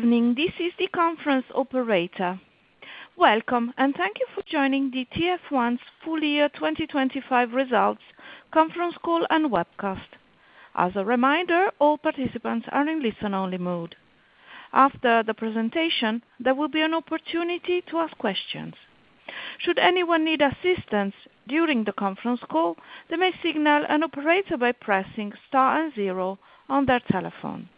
Good evening. This is the conference operator. Welcome, and thank you for joining the TF1 Full-Year 2025 Results Conference Call and Webcast. As a reminder, all participants are in listen-only mode. After the presentation, there will be an opportunity to ask questions. Should anyone need assistance during the conference call, they may signal an operator by pressing star and zero on their telephone.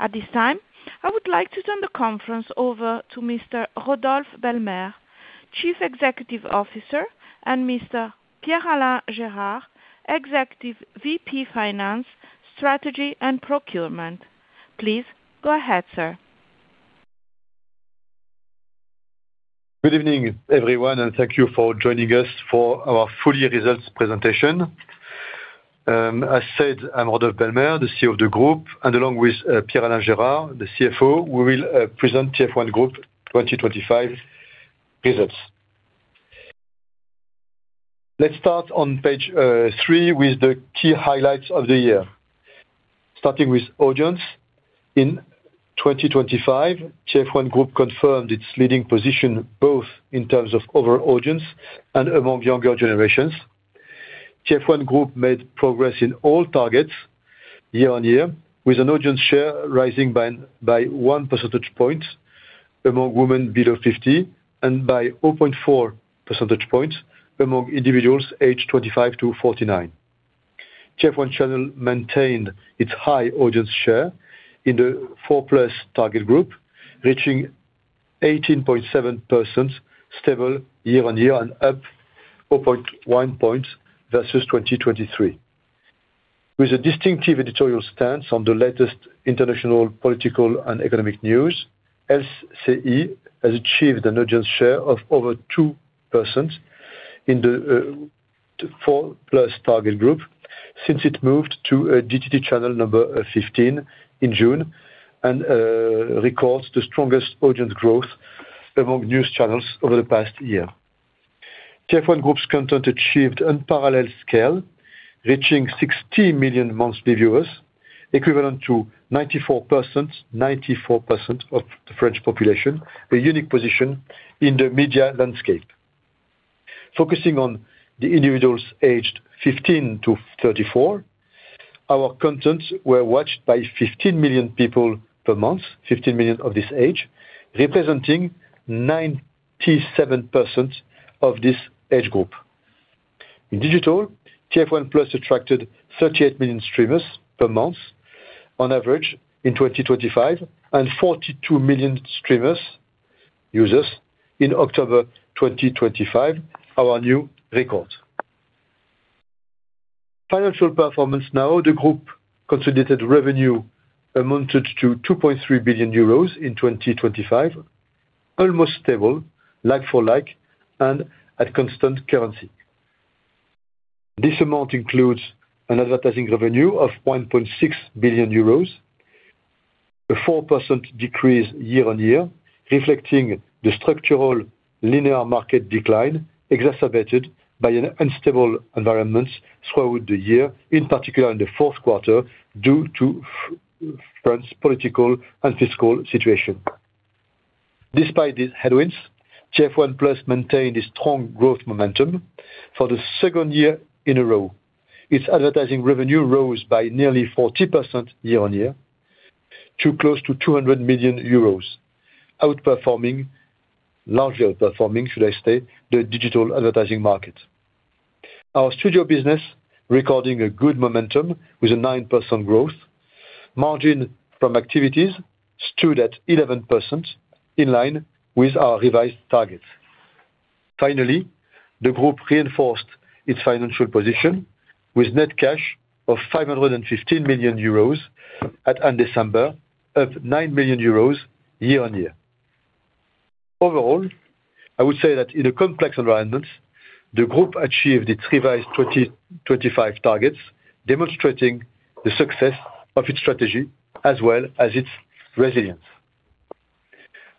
At this time, I would like to turn the conference over to Mr. Rodolphe Belmer, Chief Executive Officer, and Mr. Pierre-Alain Gérard, Executive VP, Finance, Strategy & Procurement. Please go ahead, sir. Good evening, everyone, and thank you for joining us for our full-year results presentation. As said, I'm Rodolphe Belmer, the CEO of the group, and along with Pierre-Alain Gérard, the CFO, we will present TF1 Group 2025 results. Let's start on page 3 with the key highlights of the year. Starting with audience. In 2025, TF1 Group confirmed its leading position, both in terms of overall audience and among younger generations. TF1 Group made progress in all targets year-on-year, with an audience share rising by 1 percentage point among women below 50 and by 0.4 percentage points among individuals aged 25 to 49. TF1 Channel maintained its high audience share in the four-plus target group, reaching 18.7 points, stable year-on-year and up 4.1 points versus 2023. With a distinctive editorial stance on the latest international, political, and economic news, LCI has achieved an audience share of over 2% in the four-plus target group since it moved to a DTT channel number 15 in June, and records the strongest audience growth among news channels over the past year. TF1 Group's content achieved unparalleled scale, reaching 60 million monthly viewers, equivalent to 94% of the French population, a unique position in the media landscape. Focusing on the individuals aged 15 to 34, our contents were watched by 15 million people per month, 15 million of this age, representing 97% of this age group. In Digital, TF1+ attracted 38 million streamers per month on average in 2025 and 42 million streamers users in October 2025, our new record. Financial performance now. The group consolidated revenue amounted to 2.3 billion euros in 2025, almost stable, like for like, and at constant currency. This amount includes an advertising revenue of 1.6 billion euros, a 4% decrease year-on-year, reflecting the structural linear market decline, exacerbated by an unstable environment throughout the year, in particular in the fourth quarter, due to France's political and fiscal situation. Despite these headwinds, TF1+ maintained a strong growth momentum for the second year in a row. Its advertising revenue rose by nearly 40% year-on-year to close to 200 million euros, outperforming, largely outperforming, should I say, the digital advertising market. Our studio business recording a good momentum with a 9% growth. Margin from activities stood at 11%, in line with our revised targets. Finally, the group reinforced its financial position with net cash of 515 million euros at end December, up 9 million euros year-on-year. Overall, I would say that in a complex environment, the group achieved its revised 2025 targets, demonstrating the success of its strategy as well as its resilience.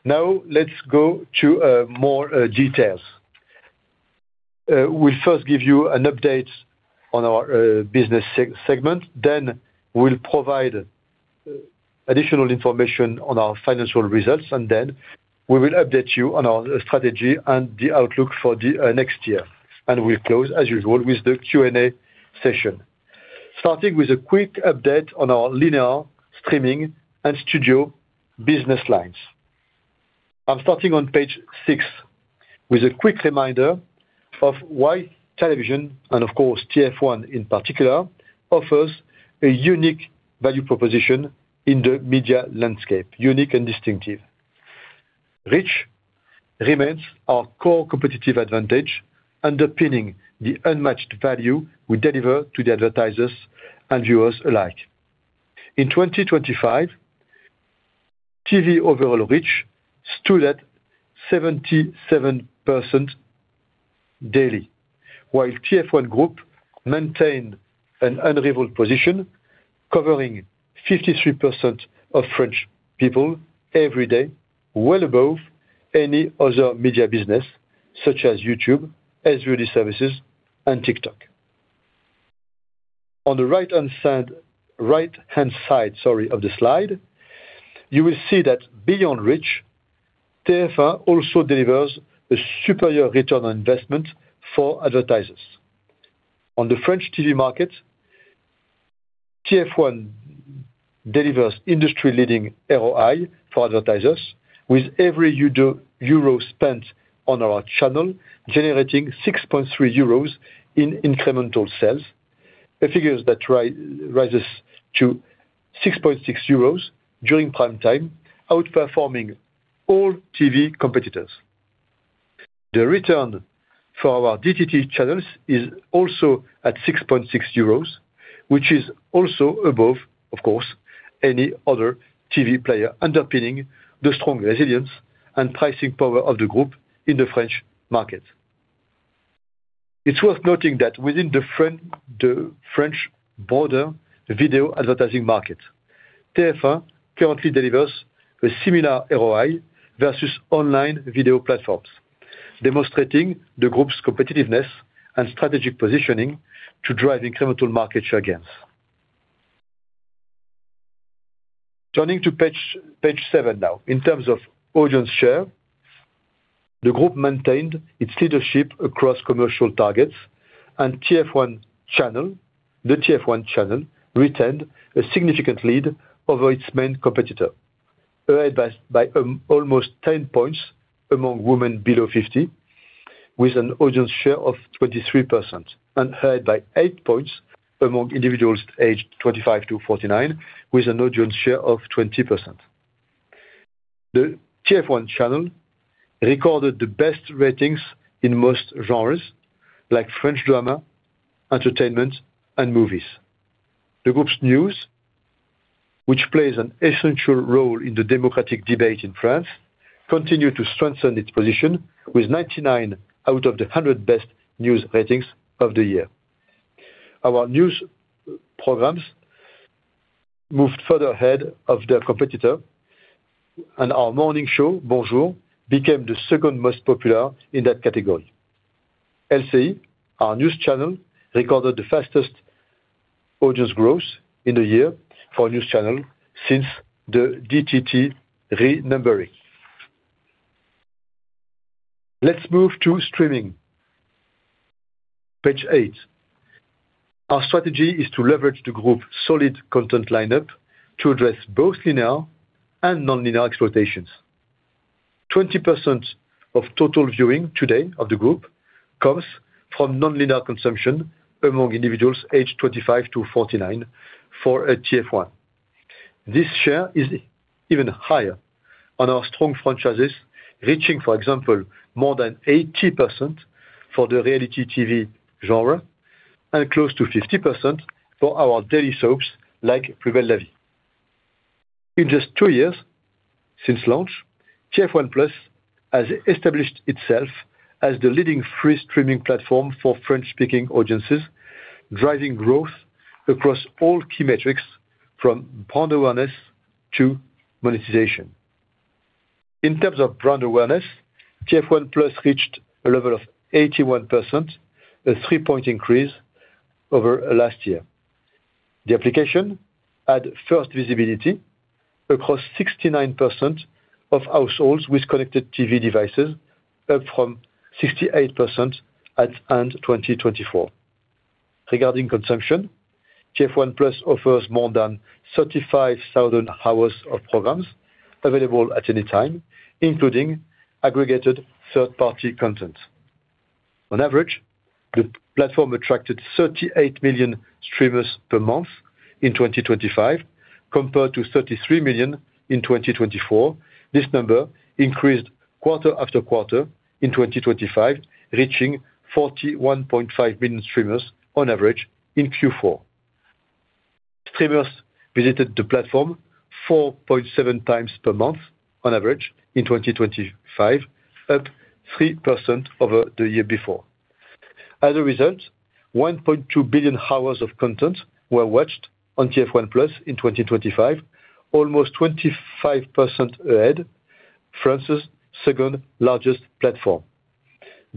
Now, let's go to more details. We'll first give you an update on our business segment, then we'll provide additional information on our financial results, and then we will update you on our strategy and the outlook for the next year. And we'll close, as usual, with the Q&A session. Starting with a quick update on our linear streaming and studio business lines. I'm starting on page 6 with a quick reminder of why television, and of course, TF1 in particular, offers a unique value proposition in the media landscape, unique and distinctive. Reach remains our core competitive advantage, underpinning the unmatched value we deliver to the advertisers and viewers alike. In 2025, TV overall reach stood at 77% daily, while TF1 Group maintained an unrivaled position, covering 53% of French people every day, well above any other media business, such as YouTube, SVOD services, and TikTok. On the right-hand side, right-hand side, sorry, of the slide, you will see that beyond reach, TF1 also delivers a superior return on investment for advertisers. On the French TV market, TF1 delivers industry-leading ROI for advertisers, with every euro spent on our channel generating 6.3 euros in incremental sales. The figures that rises to 6.6 during prime time, outperforming all TV competitors. The return for our DTT channels is also at 6.6 euros, which is also above, of course, any other TV player underpinning the strong resilience and pricing power of the group in the French market. It's worth noting that within the the French broader video advertising market, TF1 currently delivers a similar ROI versus online video platforms, demonstrating the group's competitiveness and strategic positioning to drive incremental market share gains. Turning to page 7 now. In terms of audience share, the group maintained its leadership across commercial targets and TF1 channel, the TF1 channel, retained a significant lead over its main competitor, ahead by almost 10 points among women below 50, with an audience share of 23%, and ahead by 8 points among individuals aged 25 to 49, with an audience share of 20%. The TF1 channel recorded the best ratings in most genres, like French drama, entertainment, and movies. The group's news, which plays an essential role in the democratic debate in France, continued to strengthen its position with 99 out of the 100 best news ratings of the year. Our news programs moved further ahead of their competitor, and our morning show, Bonjour, became the second most popular in that category. LCI, our news channel, recorded the fastest audience growth in the year for a news channel since the DTT renumbering. Let's move to streaming. Page 8. Our strategy is to leverage the group's solid content lineup to address both linear and nonlinear exploitations. 20% of total viewing today of the group comes from nonlinear consumption among individuals aged 25 to 49 for TF1. This share is even higher on our strong franchises, reaching, for example, more than 80% for the reality TV genre and close to 50% for our daily soaps, like Plus belle la vie. In just two years since launch, TF1+ has established itself as the leading free streaming platform for French-speaking audiences, driving growth across all key metrics from brand awareness to monetization. In terms of brand awareness, TF1+ reached a level of 81%, a three-point increase over last year. The application had first visibility across 69% of households with connected TV devices, up from 68% at end 2024. Regarding consumption, TF1+ offers more than 35,000 hours of programs available at any time, including aggregated third-party content. On average, the platform attracted 38 million streamers per month in 2025, compared to 33 million in 2024. This number increased quarter after quarter in 2025, reaching 41.5 million streamers on average in Q4. Streamers visited the platform 4.7x per month on average in 2025, up 3% over the year before. As a result, 1.2 billion hours of content were watched on TF1+ in 2025, almost 25% ahead France's second-largest platform.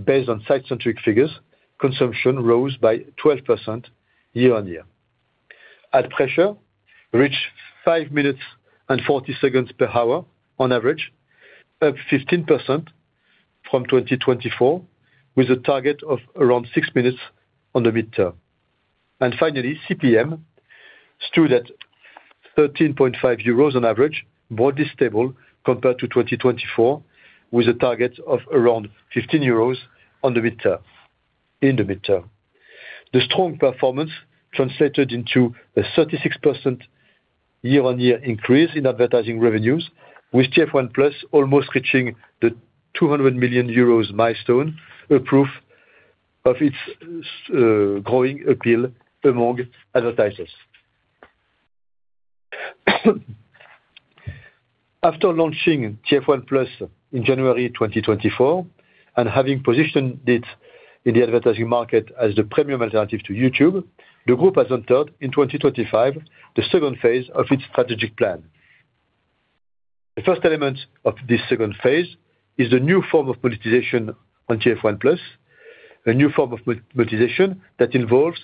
Based on site-centric figures, consumption rose by 12% year-on-year. Ad pressure reached five minutes and 40 seconds per hour on average, up 15% from 2024, with a target of around six minutes in the midterm. Finally, CPM stood at 13.5 euros on average, more stable compared to 2024, with a target of around 15 euros in the midterm. The strong performance translated into a 36% year-on-year increase in advertising revenues, with TF1+ almost reaching the 200 million euros milestone, a proof of its growing appeal among advertisers. After launching TF1+ in January 2024, and having positioned it in the advertising market as the premium alternative to YouTube, the group has entered in 2025, the second phase of its strategic plan. The first element of this second phase is the new form of monetization on TF1+, a new form of monetization that involves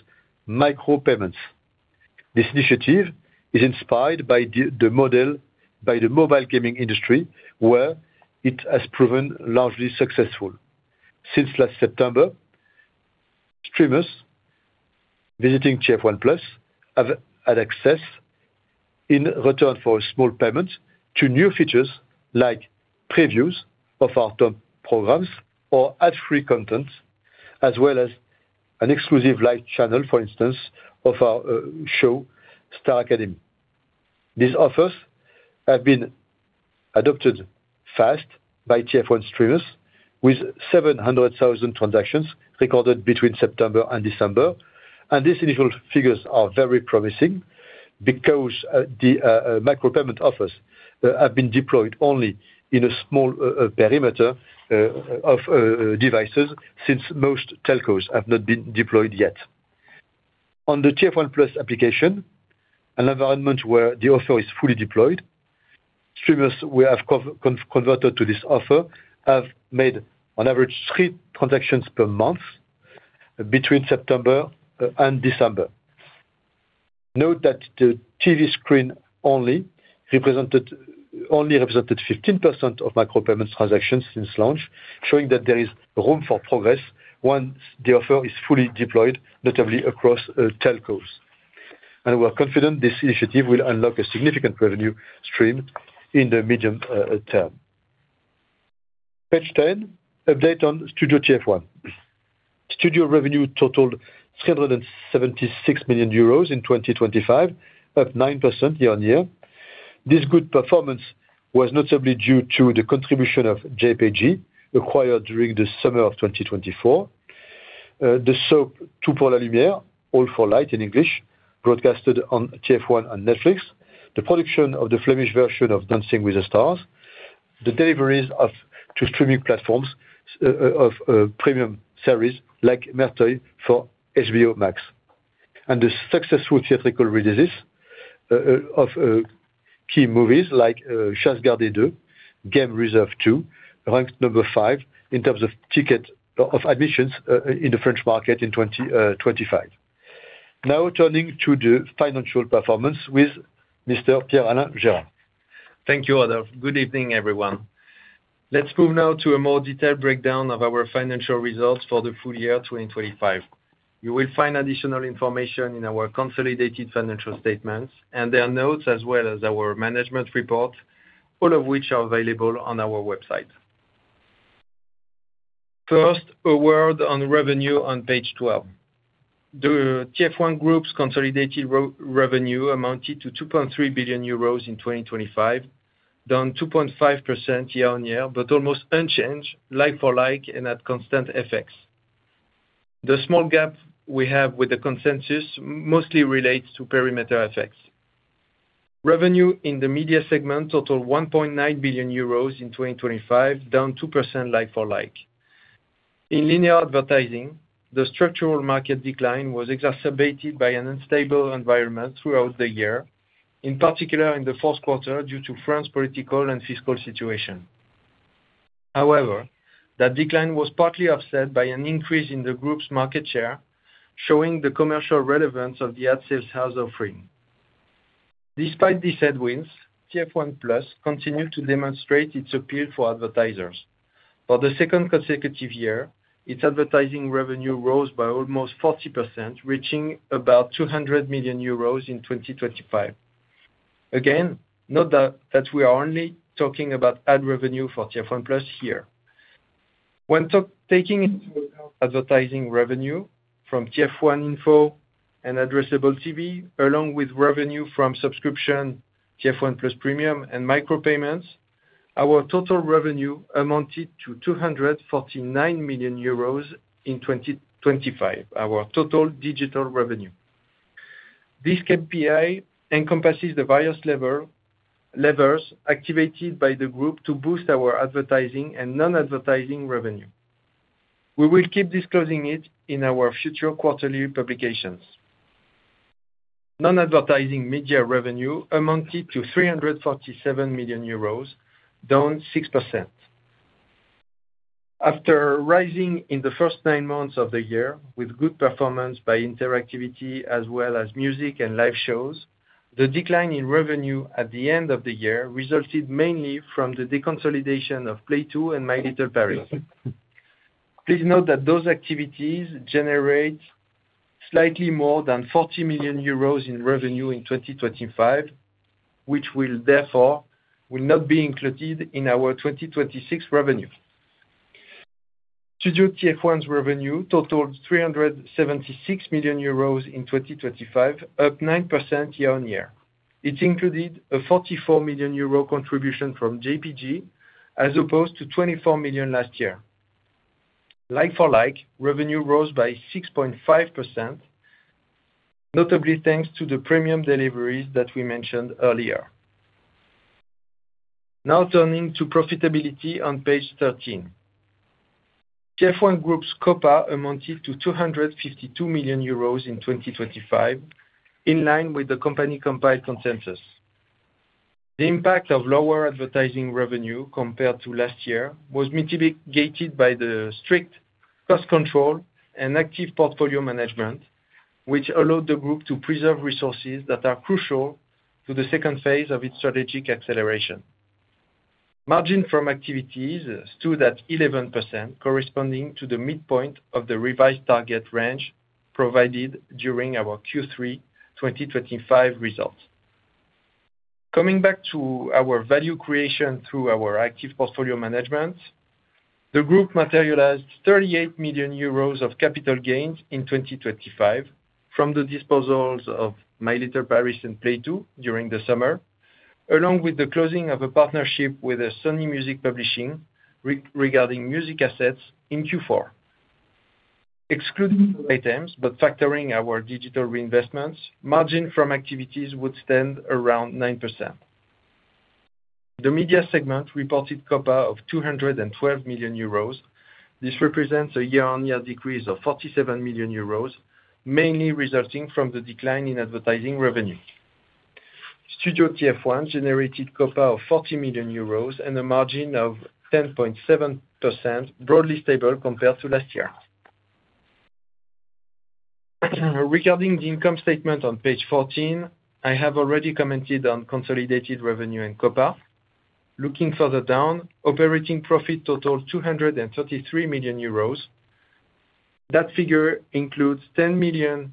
micropayments. This initiative is inspired by the model by the mobile gaming industry, where it has proven largely successful. Since last September, streamers visiting TF1+ have had access in return for a small payment to new features like previews of our top programs or ad-free content, as well as an exclusive live channel, for instance, of our show, Star Academy. These offers have been adopted fast by TF1 streamers, with 700,000 transactions recorded between September and December. These initial figures are very promising because the micropayment offers have been deployed only in a small perimeter of devices, since most telcos have not been deployed yet. On the TF1+ application, an environment where the offer is fully deployed, streamers we have converted to this offer have made on average three transactions per month between September and December. Note that the TV screen only represented 15% of micropayments transactions since launch, showing that there is room for progress once the offer is fully deployed, notably across telcos. We are confident this initiative will unlock a significant revenue stream in the medium term. Page 10, update on Studio TF1. Studio revenue totaled 376 million euros in 2025, up 9% year-on-year. This good performance was notably due to the contribution of JPG, acquired during the summer of 2024. The soap, Tout pour la lumière, All for Light, in English, broadcasted on TF1 and Netflix. The production of the Flemish version of Dancing with the Stars. The deliveries to two streaming platforms of premium series like Mercredi for HBO Max, and the successful theatrical releases of key movies like Chasse gardée 2, Game Reserve 2, ranked 5 in terms of admissions in the French market in 2025. Now turning to the financial performance with Mr. Pierre-Alain Gérard. Thank you, Rodolphe. Good evening, everyone. Let's move now to a more detailed breakdown of our financial results for the full-year 2025. You will find additional information in our consolidated financial statements, and there are notes as well as our management report, all of which are available on our website. First, a word on revenue on page 12. The TF1 Group's consolidated revenue amounted to 2.3 billion euros in 2025, down 2.5% year-on-year, but almost unchanged, like for like, and at constant FX. The small gap we have with the consensus mostly relates to perimeter FX. Revenue in the media segment totaled 1.9 billion euros in 2025, down 2% like for like. In linear advertising, the structural market decline was exacerbated by an unstable environment throughout the year, in particular in the first quarter, due to France's political and fiscal situation. However, that decline was partly offset by an increase in the group's market share, showing the commercial relevance of the ad sales house offering. Despite these headwinds, TF1+ continued to demonstrate its appeal for advertisers. For the second consecutive year, its advertising revenue rose by almost 40%, reaching about 200 million euros in 2025. Again, note that we are only talking about ad revenue for TF1+ here. When taking into advertising revenue from TF1 Info and addressable TV, along with revenue from subscription, TF1+ Premium and micro-payments, our total revenue amounted to 249 million euros in 2025, our total Digital revenue. This KPI encompasses the various level- levers activated by the group to boost our advertising and non-advertising revenue. We will keep disclosing it in our future quarterly publications. Non-advertising media revenue amounted to 347 million euros, down 6%. After rising in the first nine months of the year, with good performance by interactivity as well as music and live shows, the decline in revenue at the end of the year resulted mainly from the deconsolidation of Play Two and My Little Paris. Please note that those activities generate slightly more than 40 million euros in revenue in 2025, which will therefore not be included in our 2026 revenue. Studio TF1's revenue totaled 376 million euros in 2025, up 9% year-on-year. It included a 44 million euro contribution from JPG, as opposed to 24 million last year. Like-for-like revenue rose by 6.5%, notably thanks to the premium deliveries that we mentioned earlier. Now turning to profitability on page 13. TF1 Group's COPA amounted to 252 million euros in 2025, in line with the company compiled consensus. The impact of lower advertising revenue compared to last year was mitigated by the strict cost control and active portfolio management, which allowed the group to preserve resources that are crucial to the second phase of its strategic acceleration. Margin from activities stood at 11%, corresponding to the midpoint of the revised target range provided during our Q3 2025 results. Coming back to our value creation through our active portfolio management, the group materialized 38 million euros of capital gains in 2025 from the disposals of My Little Paris and Play Two during the summer, along with the closing of a partnership with Sony Music Publishing regarding music assets in Q4. Excluding items, but factoring our Digital reinvestments, margin from activities would stand around 9%. The media segment reported COPA of 212 million euros. This represents a year-on-year decrease of 47 million euros, mainly resulting from the decline in advertising revenue. Studio TF1 generated COPA of 40 million euros and a margin of 10.7%, broadly stable compared to last year. Regarding the income statement on page 14, I have already commented on consolidated revenue and COPA. Looking further down, operating profit totaled 233 million euros. That figure includes 10 million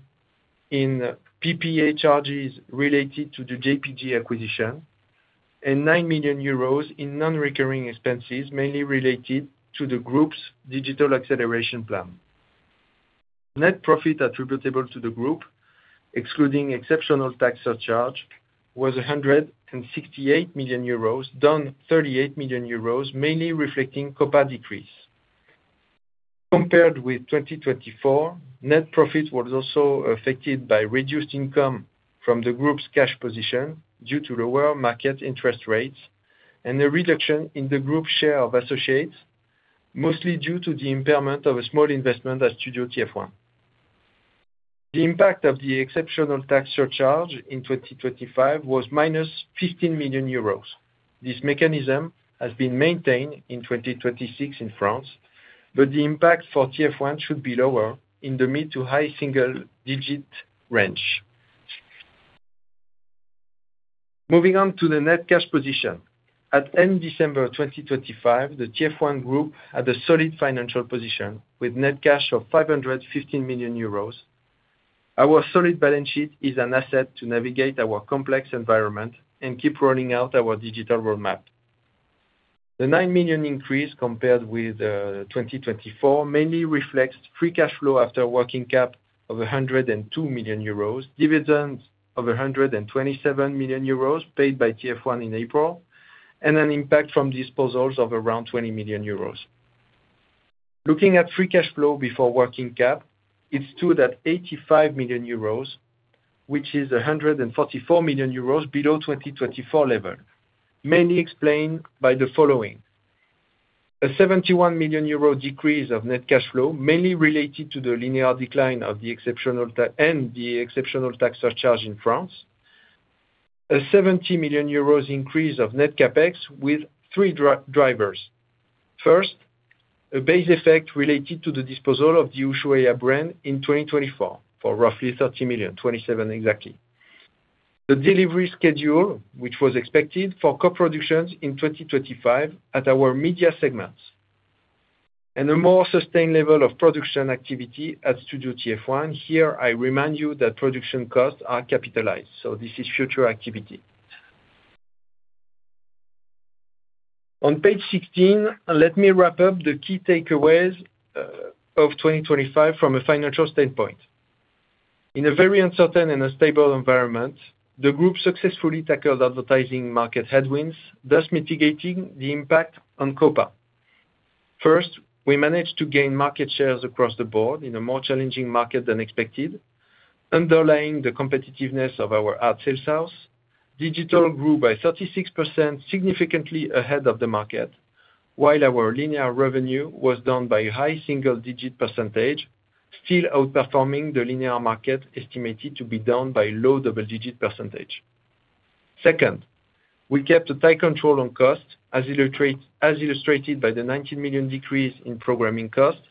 in PPA charges related to the JPG acquisition and 9 million euros in non-recurring expenses, mainly related to the group's Digital Acceleration Plan. Net profit attributable to the group, excluding exceptional tax surcharge, was 168 million euros, down 38 million euros, mainly reflecting COPA decrease. Compared with 2024, net profit was also affected by reduced income from the group's cash position due to lower market interest rates and a reduction in the group's share of associates, mostly due to the impairment of a small investment at Studio TF1. The impact of the exceptional tax surcharge in 2025 was -15 million euros. This mechanism has been maintained in 2026 in France, but the impact for TF1 should be lower in the mid- to high-single-digit range. Moving on to the net cash position. At end December 2025, the TF1 Group had a solid financial position with net cash of 515 million euros. Our solid balance sheet is an asset to navigate our complex environment and keep rolling out our Digital roadmap. The 9 million increase compared with 2024 mainly reflects free cash flow after working cap of 102 million euros, dividends of 127 million euros paid by TF1 in April, and an impact from disposals of around 20 million euros. Looking at free cash flow before working cap, it's true that 85 million euros, which is 144 million euros below 2024 level, mainly explained by the following: A 71 million euro decrease of net cash flow, mainly related to the linear decline of the exceptional tax and the exceptional tax surcharge in France. A 70 million euros increase of net CapEx with three drivers. First, a base effect related to the disposal of the Ushuaïa brand in 2024 for roughly 30 million, 27 exactly. The delivery schedule, which was expected for co-productions in 2025 at our media segments, and a more sustained level of production activity at Studio TF1. Here, I remind you that production costs are capitalized, so this is future activity. On page 16, let me wrap up the key takeaways of 2025 from a financial standpoint. In a very uncertain and unstable environment, the group successfully tackled advertising market headwinds, thus mitigating the impact on COPA. First, we managed to gain market shares across the board in a more challenging market than expected, underlying the competitiveness of our ad sales house. Digital grew by 36%, significantly ahead of the market, while our linear revenue was down by high single-digit percentage, still outperforming the linear market, estimated to be down by low double-digit percentage. Second, we kept a tight control on cost, as illustrated by the 19 million decrease in programming costs.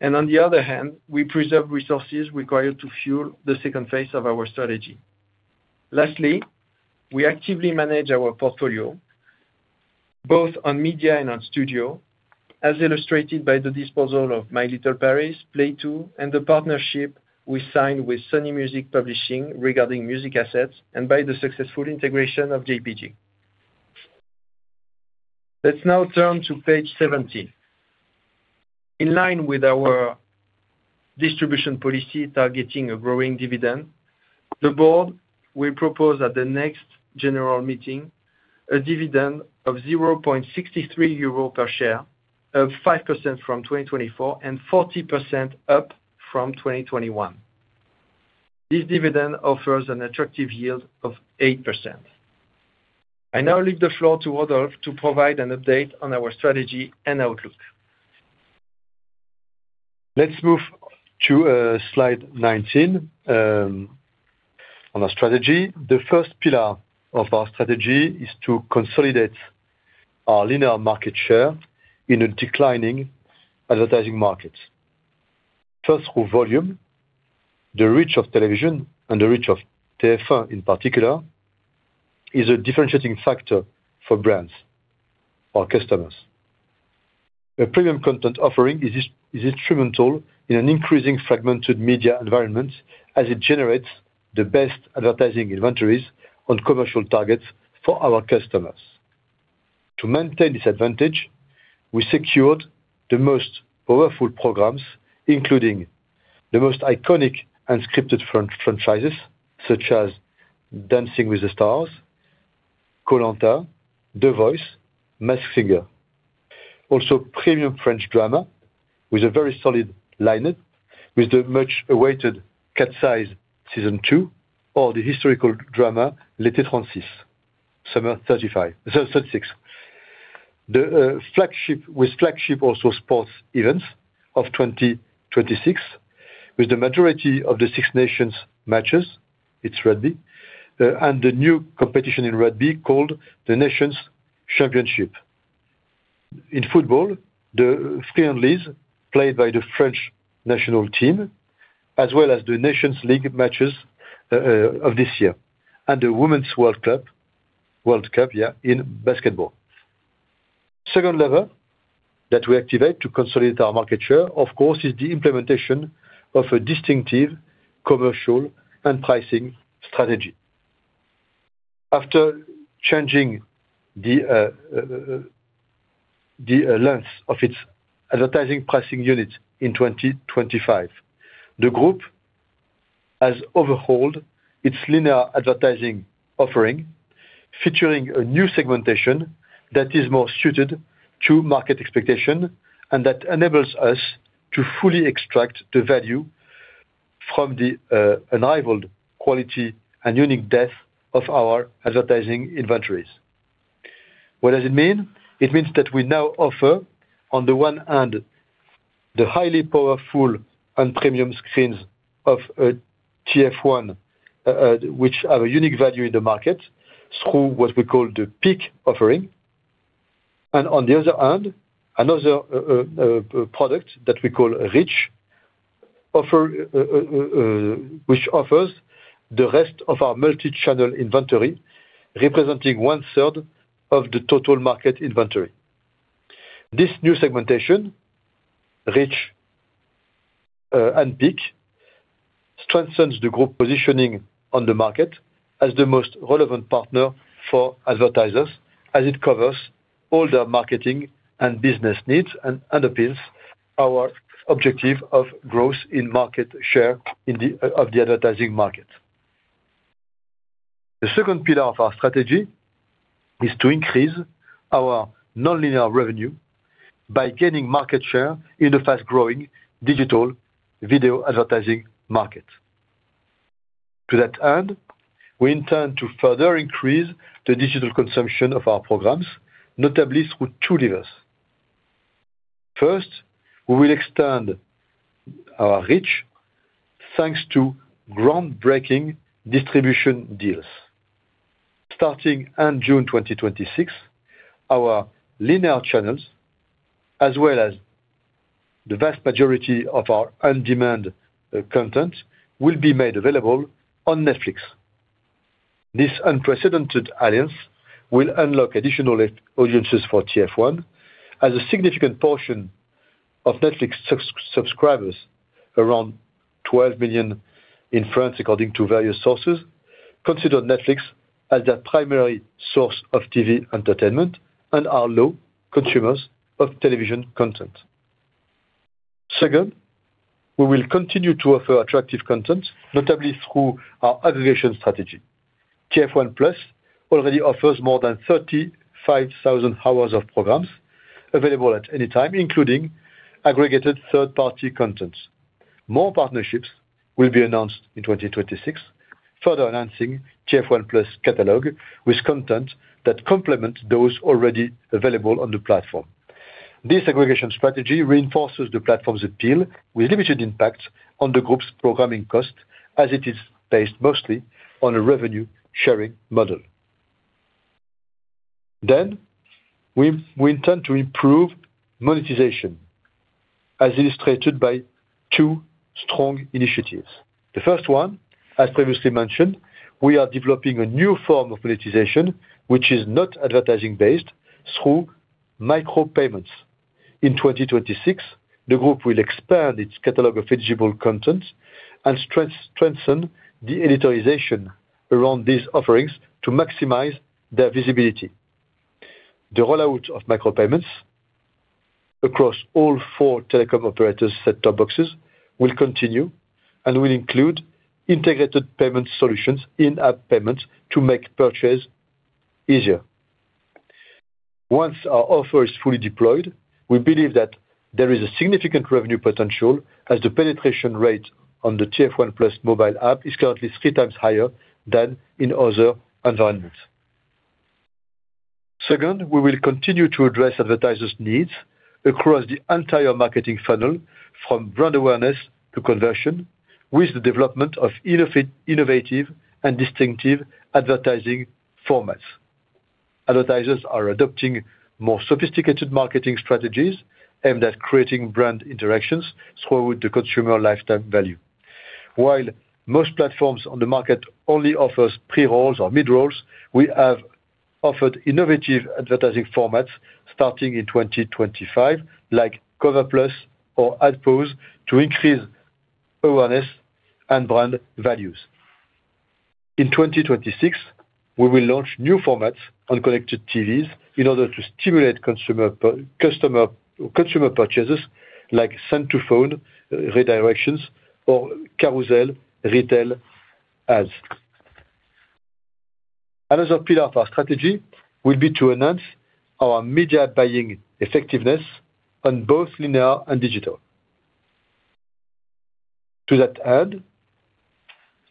On the other hand, we preserved resources required to fuel the second phase of our strategy. Lastly, we actively manage our portfolio, both on media and on studio, as illustrated by the disposal of My Little Paris, Play Two, and the partnership we signed with Sony Music Publishing regarding music assets and by the successful integration of JPG. Let's now turn to page 17. In line with our distribution policy targeting a growing dividend, the board will propose at the next general meeting a dividend of 0.63 euro per share, up 5% from 2024 and 40% up from 2021. This dividend offers an attractive yield of 8%. I now leave the floor to Rodolphe to provide an update on our strategy and outlook. Let's move to slide 19 on our strategy. The first pillar of our strategy is to consolidate our linear market share in a declining advertising market. First, through volume, the reach of television and the reach of TF1, in particular, is a differentiating factor for brands or customers. The premium content offering is instrumental in an increasingly fragmented media environment as it generates the best advertising inventories on commercial targets for our customers. To maintain this advantage, we secured the most powerful programs, including the most iconic unscripted franchises, such as Dancing with the Stars, Koh-Lanta, The Voice, Masked Singer. Also, premium French drama, with a very solid lineup, with the much-awaited Cat's Eyes Season 2, or the historical drama, L'été 36, Summer of 36. The flagship, with flagship also sports events of 2026, with the majority of the 6 Nations matches, it's rugby, and the new competition in rugby, called the Nations Championship. In football, the friendlies played by the French national team, as well as the Nations League matches, of this year, and the Women's World Cup, World Cup, yeah, in basketball. Second lever that we activate to consolidate our market share, of course, is the implementation of a distinctive commercial and pricing strategy. After changing the, the, the, length of its advertising pricing unit in 2025, the group has overhauled its linear advertising offering, featuring a new segmentation that is more suited to market expectation, and that enables us to fully extract the value from the, unrivaled quality and unique depth of our advertising inventories. What does it mean? It means that we now offer, on the one hand, the highly powerful and premium screens of TF1, which have a unique value in the market, through what we call the peak offering. And on the other hand, another product that we call Reach offer, which offers the rest of our multi-channel inventory, representing one third of the total market inventory. This new segmentation, Reach and Peak, strengthens the group positioning on the market as the most relevant partner for advertisers, as it covers all their marketing and business needs and underpins our objective of growth in market share in the advertising market. The second pillar of our strategy is to increase our nonlinear revenue by gaining market share in the fast-growing digital video advertising market. To that end, we intend to further increase the digital consumption of our programs, notably through two levers. First, we will extend our reach, thanks to groundbreaking distribution deals. Starting in June 2026, our linear channels, as well as the vast majority of our on-demand content, will be made available on Netflix. This unprecedented alliance will unlock additional audiences for TF1, as a significant portion of Netflix subscribers, around 12 million in France, according to various sources, consider Netflix as their primary source of TV entertainment and are low consumers of television content. Second, we will continue to offer attractive content, notably through our aggregation strategy. TF1+ already offers more than 35,000 hours of programs available at any time, including aggregated third-party content. More partnerships will be announced in 2026, further enhancing TF1+ catalog with content that complement those already available on the platform. This aggregation strategy reinforces the platform's appeal with limited impact on the group's programming cost, as it is based mostly on a revenue-sharing model. Then, we intend to improve monetization, as illustrated by two strong initiatives. The first one, as previously mentioned, we are developing a new form of monetization, which is not advertising-based, through micropayments. In 2026, the group will expand its catalog of eligible content and strengthen the editorization around these offerings to maximize their visibility. The rollout of micropayments across all four telecom operators set-top boxes will continue and will include integrated payment solutions, in-app payments, to make purchase easier. Once our offer is fully deployed, we believe that there is a significant revenue potential as the penetration rate on the TF1+ mobile app is currently 3x higher than in other environments. Second, we will continue to address advertisers' needs across the entire marketing funnel, from brand awareness to conversion, with the development of innovative and distinctive advertising formats. Advertisers are adopting more sophisticated marketing strategies aimed at creating brand interactions throughout the consumer lifetime value. While most platforms on the market only offers pre-rolls or mid-rolls, we have offered innovative advertising formats starting in 2025, like Cover+ or AdPause, to increase awareness and brand values. In 2026, we will launch new formats on connected TVs in order to stimulate consumer purchases, like send to phone, redirections, or carousel retail ads. Another pillar of our strategy will be to enhance our media buying effectiveness on both linear and digital. To that end,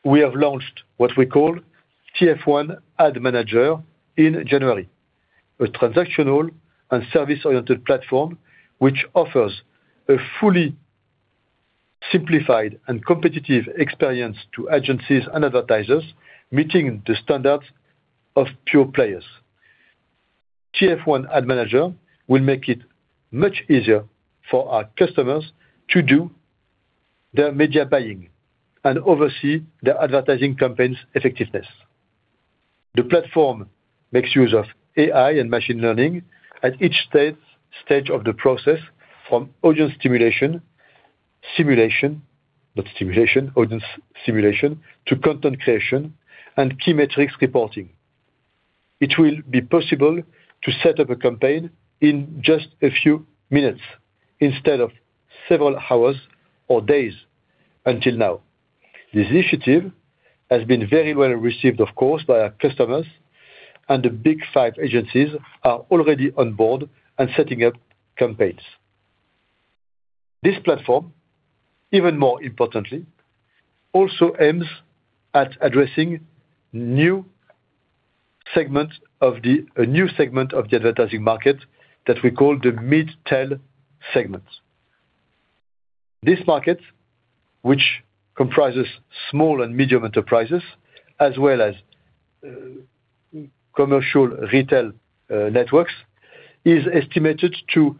we have launched what we call TF1 Ad Manager in January, a transactional and service-oriented platform, which offers a fully simplified and competitive experience to agencies and advertisers, meeting the standards of pure players. TF1 Ad Manager will make it much easier for our customers to do their media buying and oversee their advertising campaigns' effectiveness. The platform makes use of AI and machine learning at each stage of the process, from audience simulation to content creation and key metrics reporting. It will be possible to set up a campaign in just a few minutes instead of several hours or days until now. This initiative has been very well received, of course, by our customers, and the big five agencies are already on board and setting up campaigns. This platform, even more importantly, also aims at addressing a new segment of the advertising market that we call the mid-tail segment. This market, which comprises small and medium enterprises, as well as commercial retail networks, is estimated to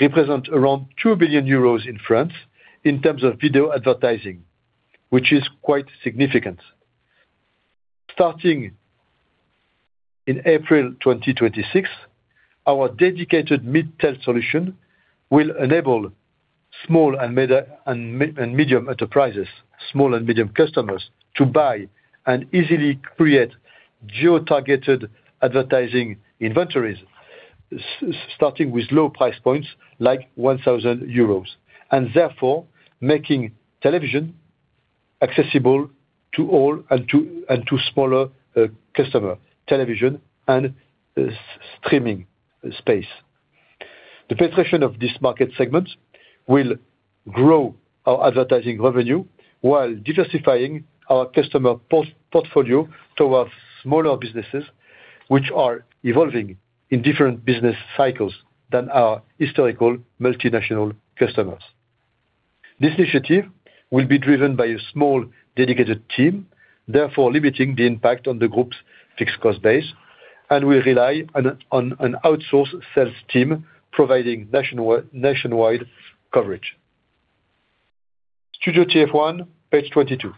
represent around 2 billion euros in France in terms of video advertising, which is quite significant. Starting in April 2026, our dedicated mid-tail solution will enable small and medium enterprises, small and medium customers, to buy and easily create geo-targeted advertising inventories, starting with low price points, like 1,000 euros, and therefore making television accessible to all and to smaller customers, television and streaming space. The penetration of this market segment will grow our advertising revenue while diversifying our customer portfolio towards smaller businesses, which are evolving in different business cycles than our historical multinational customers. This initiative will be driven by a small, dedicated team, therefore limiting the impact on the group's fixed cost base, and will rely on an outsourced sales team providing nationwide coverage. Studio TF1, page 22.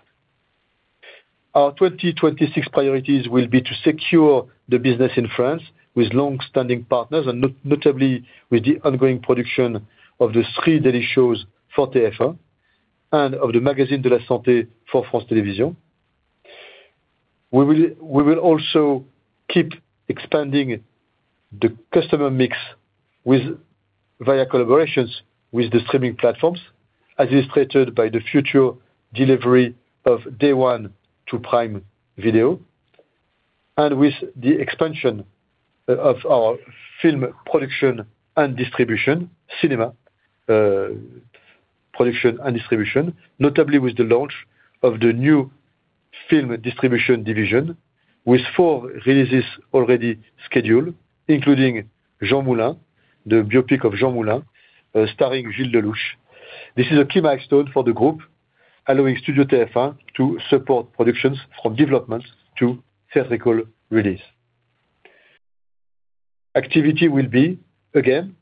Our 2026 priorities will be to secure the business in France with long-standing partners and notably with the ongoing production of the three daily shows for TF1 and of the Magazine de la santé for France Télévisions. We will also keep expanding the customer mix with via collaborations with the streaming platforms, as illustrated by the future delivery of Day One to Prime Video, and with the expansion of our film production and distribution, cinema, production and distribution, notably with the launch of the new film distribution division, with four releases already scheduled, including Jean Moulin, the biopic of Jean Moulin, starring Gilles Lellouche. This is a key milestone for the group, allowing Studio TF1 to support productions from development to theatrical release. Activity will be, again,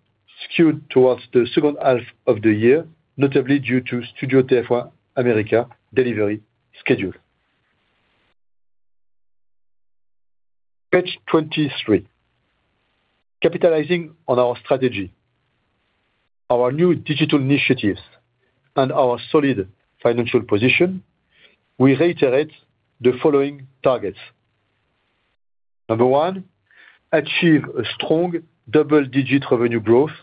skewed towards the second half of the year, notably due to Studio TF1 America delivery schedule. Page 23. Capitalizing on our strategy, our new digital initiatives, and our solid financial position, we reiterate the following targets. Number one, achieve a strong double-digit revenue growth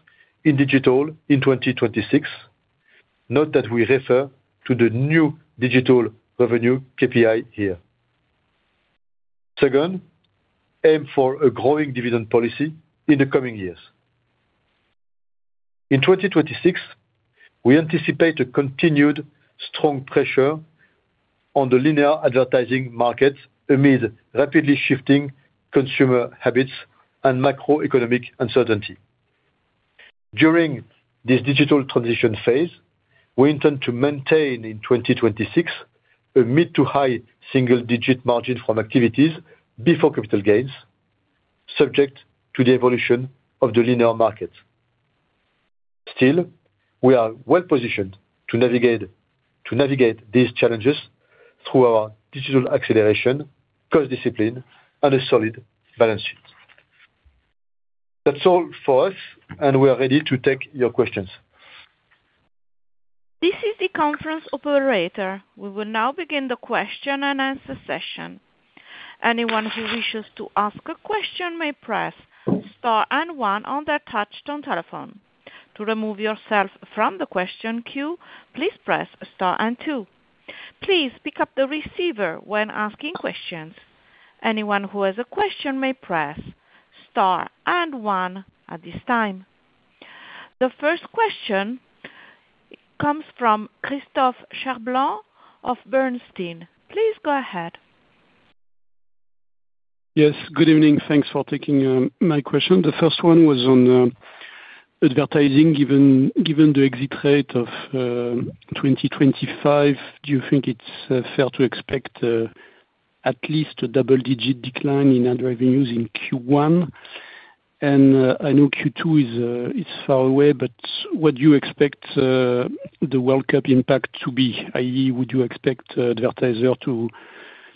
in Digital in 2026. Note that we refer to the new Digital revenue KPI here. Second, aim for a growing dividend policy in the coming years. In 2026, we anticipate a continued strong pressure on the linear advertising market amid rapidly shifting consumer habits and macroeconomic uncertainty. During this digital transition phase, we intend to maintain in 2026, a mid- to high-single-digit margin from activities before capital gains, subject to the evolution of the linear market. Still, we are well-positioned to navigate these challenges through our digital acceleration, cost discipline, and a solid balance sheet. That's all for us, and we are ready to take your questions. This is the conference operator. We will now begin the question-and-answer session. Anyone who wishes to ask a question may press star and one on their touchtone telephone. To remove yourself from the question queue, please press star and two. Please pick up the receiver when asking questions. Anyone who has a question may press star and one at this time. The first question comes from Christophe Cherblanc of Bernstein. Please go ahead. Yes, good evening. Thanks for taking my question. The first one was on advertising. Given the exit rate of 2025, do you think it's fair to expect at least a double-digit decline in ad revenues in Q1? And I know Q2 is far away, but what do you expect the World Cup impact to be? I.e., would you expect advertiser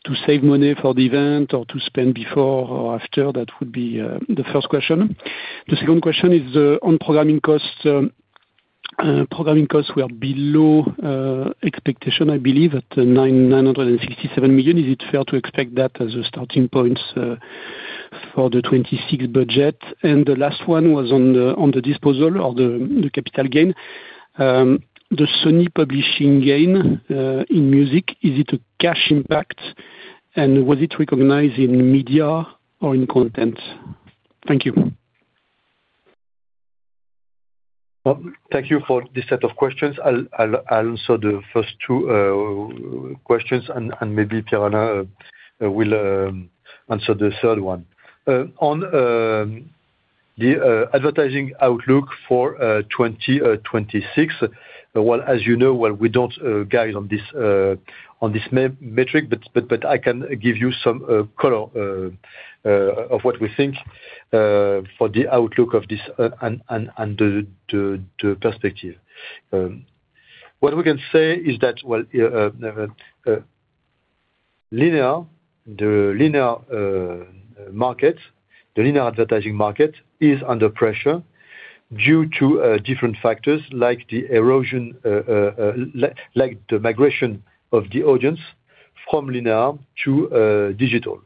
to save money for the event or to spend before or after? That would be the first question. The second question is on programming costs. Programming costs were below expectation, I believe, at 967 million. Is it fair to expect that as a starting point for the 2026 budget? And the last one was on the disposal of the capital gain. The Sony publishing gain in music, is it a cash impact, and was it recognized in media or in content? Thank you. Well, thank you for this set of questions. I'll answer the first two questions, and maybe Pierre-Alain will answer the third one. On the advertising outlook for 2026, well, as you know, we don't guide on this metric, but I can give you some color of what we think for the outlook of this and the perspective. What we can say is that, well, linear, the linear market, the linear advertising market is under pressure due to different factors like the erosion, like the migration of the audience from linear to digital.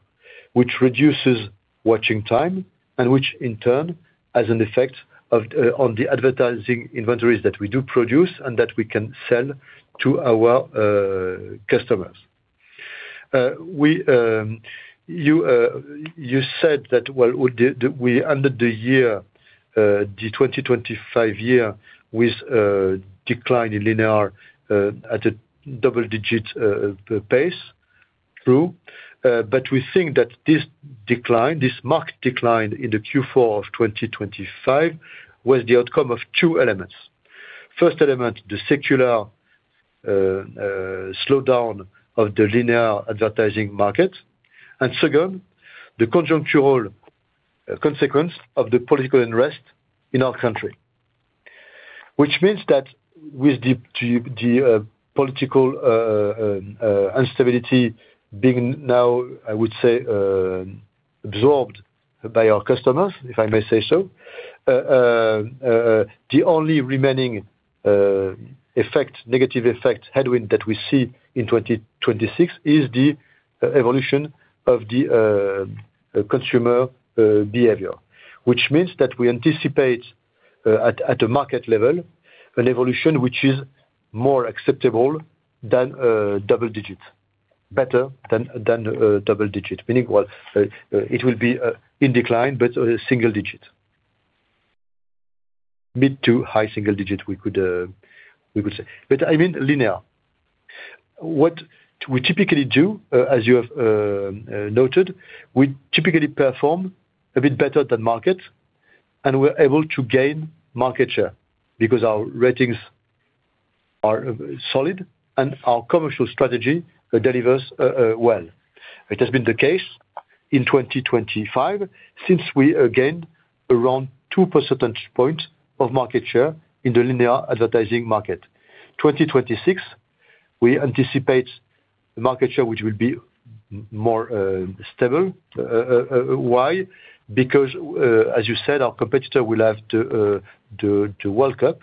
Which reduces watching time, and which in turn has an effect of on the advertising inventories that we do produce and that we can sell to our customers. You said that, well, we did, we ended the year, the 2025 year with a decline in linear at a double-digit pace. True, but we think that this decline, this marked decline in the Q4 of 2025, was the outcome of two elements. First element, the secular slowdown of the linear advertising market, and second, the conjuncture consequence of the political unrest in our country. Which means that with the political instability being now, I would say, absorbed by our customers, if I may say so, the only remaining effect, negative effect, headwind that we see in 2026 is the evolution of the consumer behavior. Which means that we anticipate at a market level an evolution which is more acceptable than a double digit, better than a double digit. Meaning, well, it will be in decline, but a single digit. Mid- to high-single digit, we could say. But I mean, linear. What we typically do, as you have noted, we typically perform a bit better than market, and we're able to gain market share because our ratings are solid and our commercial strategy delivers, well. It has been the case in 2025, since we gained around 2 percentage points of market share in the linear advertising market. In 2026, we anticipate the market share, which will be more stable. Why? Because, as you said, our competitor will have the World Cup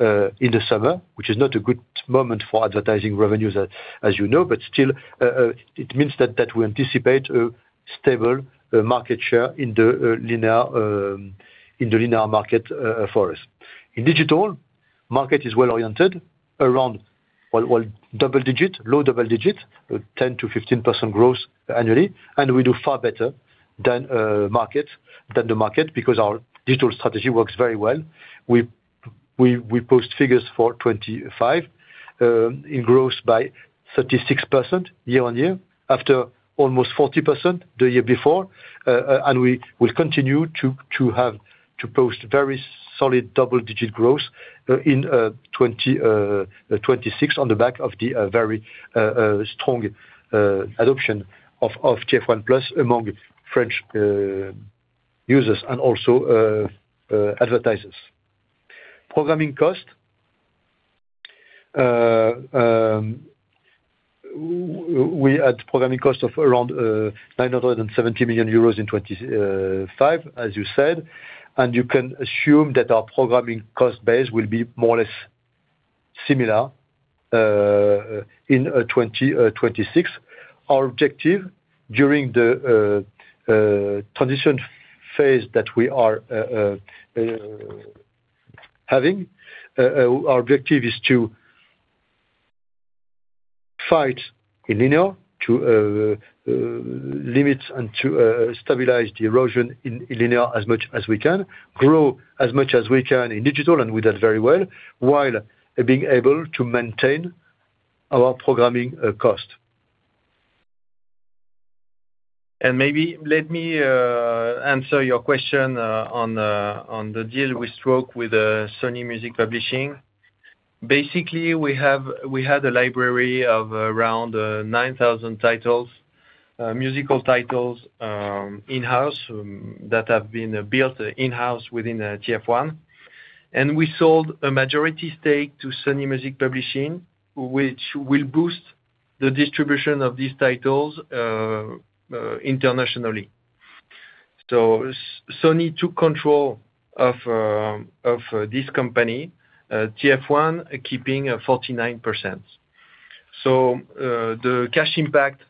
in the summer, which is not a good moment for advertising revenues, as you know, but still, it means that we anticipate a stable market share in the linear market for us. In the Digital market is well oriented around, well, double digit, low-double digit, 10%-15% growth annually, and we do far better than the market, because our digital strategy works very well. We post figures for 2025, in growth by 36% year-on-year, after almost 40% the year before. And we continue to have to post very solid double-digit growth in 2026, on the back of the very strong adoption of TF1+ among French users and also advertisers. Programming cost. We had programming cost of around 970 million euros in 2025, as you said, and you can assume that our programming cost base will be more or less similar in 2026. Our objective during the transition phase that we are having, our objective is to fight in linear to limit and to stabilize the erosion in linear as much as we can. Grow as much as we can in Digital, and we did very well, while being able to maintain our programming cost. Maybe let me answer your question on the deal we struck with Sony Music Publishing. Basically, we had a library of around 9,000 titles, musical titles, in-house, that have been built in-house within TF1. We sold a majority stake to Sony Music Publishing, which will boost the distribution of these titles internationally. Sony took control of this company, TF1, keeping 49%. The cash impact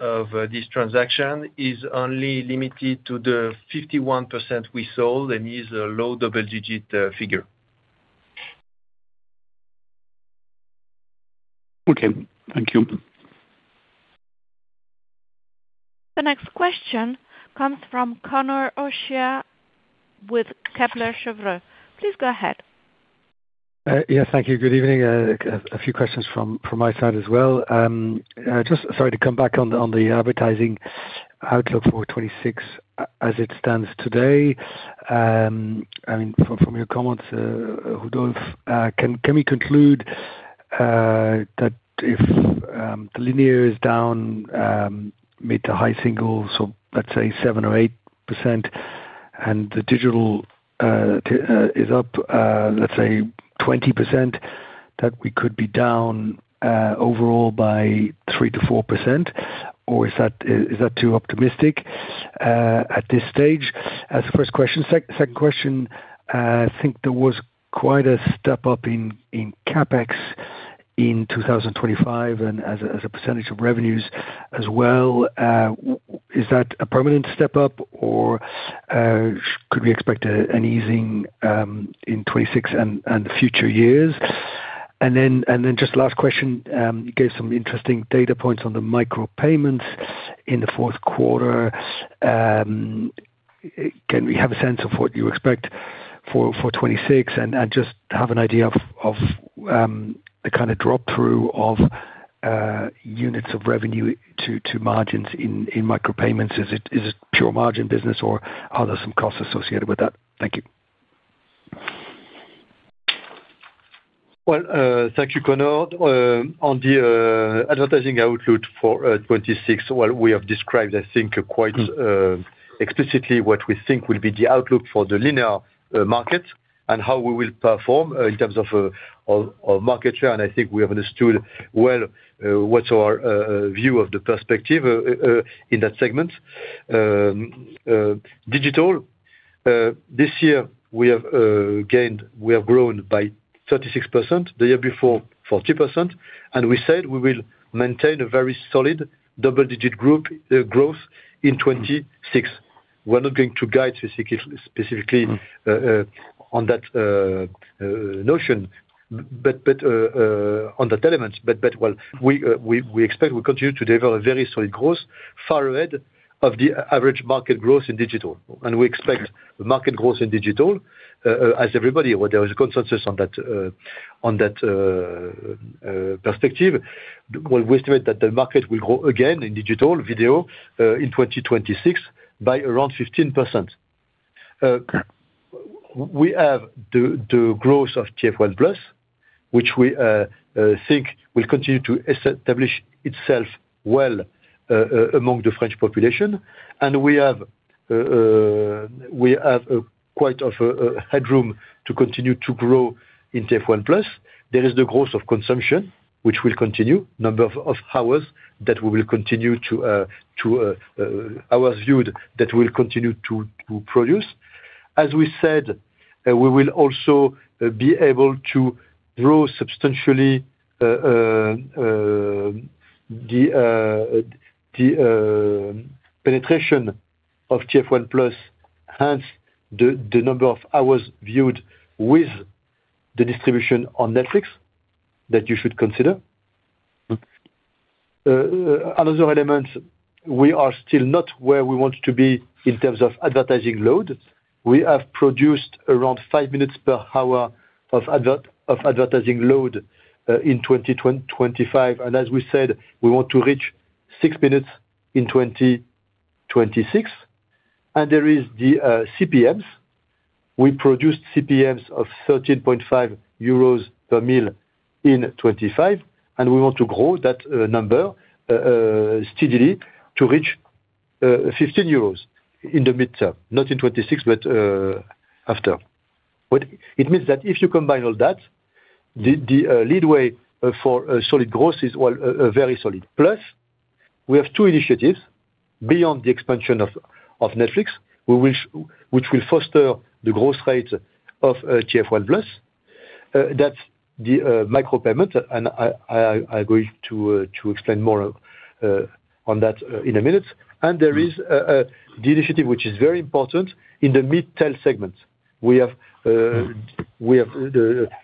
of this transaction is only limited to the 51% we sold, and is a low-double-digit figure. Okay, thank you. The next question comes from Conor O'Shea, with Kepler Cheuvreux. Please go ahead. Yeah, thank you. Good evening. A few questions from my side as well. Just sorry to come back on the advertising outlook for 2026, as it stands today. I mean, from your comments, Rodolphe, can we conclude that if the linear is down mid- to high-single, so let's say 7% or 8%, and the Digital is up, let's say 20%, that we could be down overall by 3%-4%? Or is that too optimistic at this stage? That's the first question. Second question, I think there was quite a step up in CapEx in 2025, and as a percentage of revenues as well. Is that a permanent step up, or could we expect an easing in 2026 and future years? And then just last question, you gave some interesting data points on the micropayments in the fourth quarter. Can we have a sense of what you expect for 2026? And just have an idea of the kind of drop through of units of revenue to margins in micropayments. Is it pure margin business, or are there some costs associated with that? Thank you. Well, thank you, Conor. On the advertising outlook for 2026, well, we have described, I think, quite explicitly what we think will be the outlook for the linear market, and how we will perform in terms of market share. And I think we have understood well what's our view of the perspective in that segment. Digital, this year, we have gained, we have grown by 36%, the year before, 40%, and we said we will maintain a very solid double-digit group growth in 2026. We're not going to guide specifically on that notion, but on that element. But, well, we expect we continue to develop a very solid growth far ahead of the average market growth in Digital. We expect the market growth in Digital, as everybody, where there is a consensus on that, perspective. Well, we estimate that the market will grow again in digital video, in 2026, by around 15%. We have the growth of TF1+, which we think will continue to establish itself well, among the French population. And we have we have a quite of headroom to continue to grow in TF1+. There is the growth of consumption, which will continue. Number of hours that we will continue to hours viewed, that will continue to produce. As we said, we will also be able to grow substantially, the penetration of TF1+. Hence, the number of hours viewed with the distribution on Netflix that you should consider. Another element, we are still not where we want to be in terms of advertising load. We have produced around five minutes per hour of advertising load in 2025, and as we said, we want to reach six minutes in 2026. There is the CPMs. We produced CPMs of 13.5 euros per mil in 2025, and we want to grow that number steadily to reach 15 euros in the midterm, not in 2026, but after. But it means that if you combine all that, the leeway for a solid growth is well very solid. Plus, we have two initiatives beyond the expansion of Netflix, which will foster the growth rate of TF1+. That's the micropayment, and I'm going to explain more on that in a minute. And there is the initiative, which is very important in the mid-tail segment. We have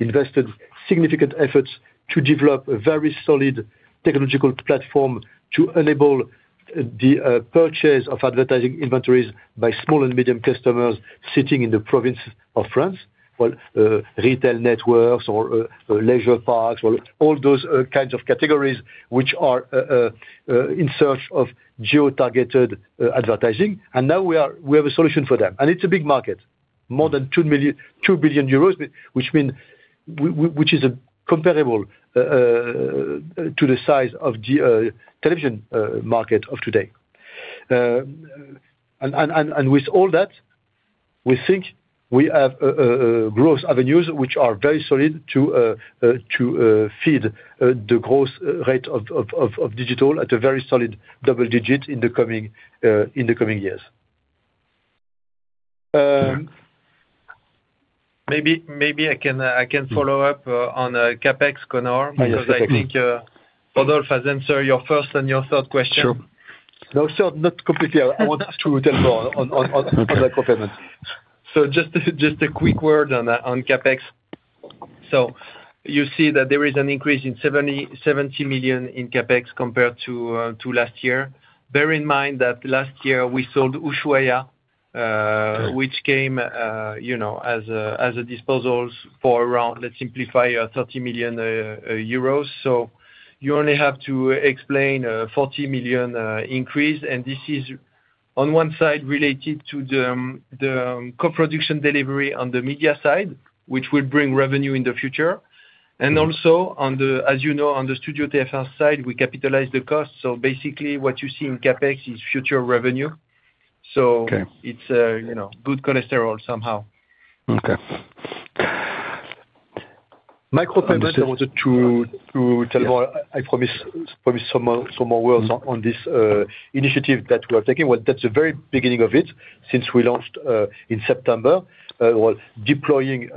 invested significant efforts to develop a very solid technological platform to enable the purchase of advertising inventories by small and medium customers sitting in the province of France, while retail networks or leisure parks, well, all those kinds of categories which are in search of geo-targeted advertising. And now we have a solution for them, and it's a big market, more than 2 billion euros, which means, which is comparable to the size of the television market of today. And with all that, we think we have growth avenues which are very solid to feed the growth rate of Digital at a very solid double digit in the coming years. Maybe I can follow up on CapEx, Conor. Ah, yes, thank you. Because I think, Rodolphe has answered your first and your third question. Sure. No, sir, not completely. I want to tell more on the CapEx. So just a quick word on CapEx. So you see that there is an increase of 70 million in CapEx compared to last year. Bear in mind that last year we sold Ushuaïa. Right. Which came, you know, as a, as a disposals for around, let's simplify, 30 million euros. So you only have to explain, 40 million increase, and this is, on one side, related to the, the co-production delivery on the media side, which will bring revenue in the future. And also on the, as you know, on the Studio TF1 side, we capitalize the cost, so basically what you see in CapEx is future revenue. Okay. It's, you know, good cholesterol somehow. Okay. micropayment... I wanted to tell more. I promise some more words on this initiative that we are taking, but that's the very beginning of it since we launched in September while deploying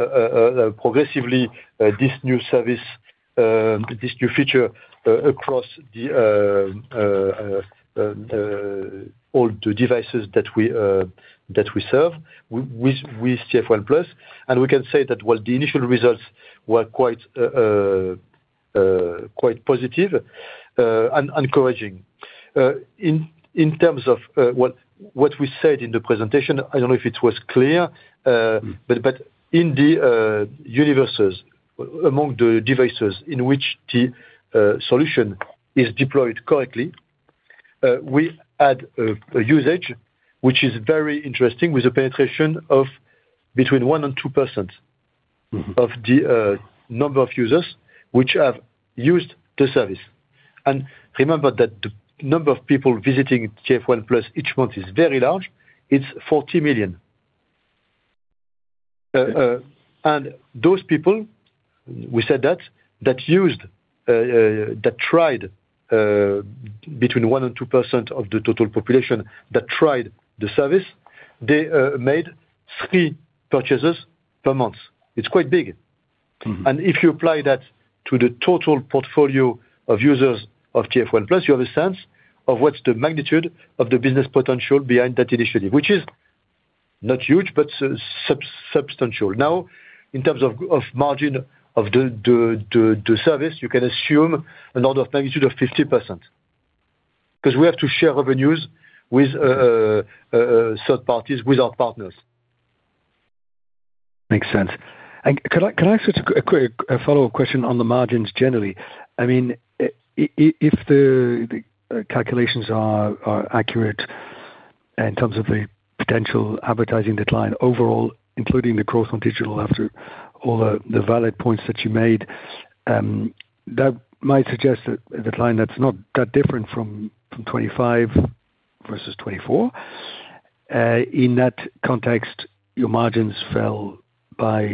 progressively this new service, this new feature across all the devices that we serve with TF1+. And we can say that, well, the initial results were quite positive and encouraging. In terms of what we said in the presentation, I don't know if it was clear. But in the universes, among the devices in which the solution is deployed correctly, we add a usage which is very interesting, with a penetration of between 1% and 2%. Of the number of users which have used the service. And remember that the number of people visiting TF1+ each month is very large. It's 40 million. And those people, we said that between 1% and 2% of the total population that tried the service, they made three purchases per month. It's quite big. If you apply that to the total portfolio of users of TF1+, you have a sense of what's the magnitude of the business potential behind that initiative, which is not huge, but substantial. Now, in terms of margin of the service, you can assume an order of magnitude of 50%, 'cause we have to share revenues with third parties, with our partners. Makes sense. Could I ask you a quick follow-up question on the margins generally? I mean, if the calculations are accurate in terms of the potential advertising decline overall, including the growth on Digital after all the valid points that you made, that might suggest that the decline that's not that different from 2025 versus 2024. In that context, your margins fell by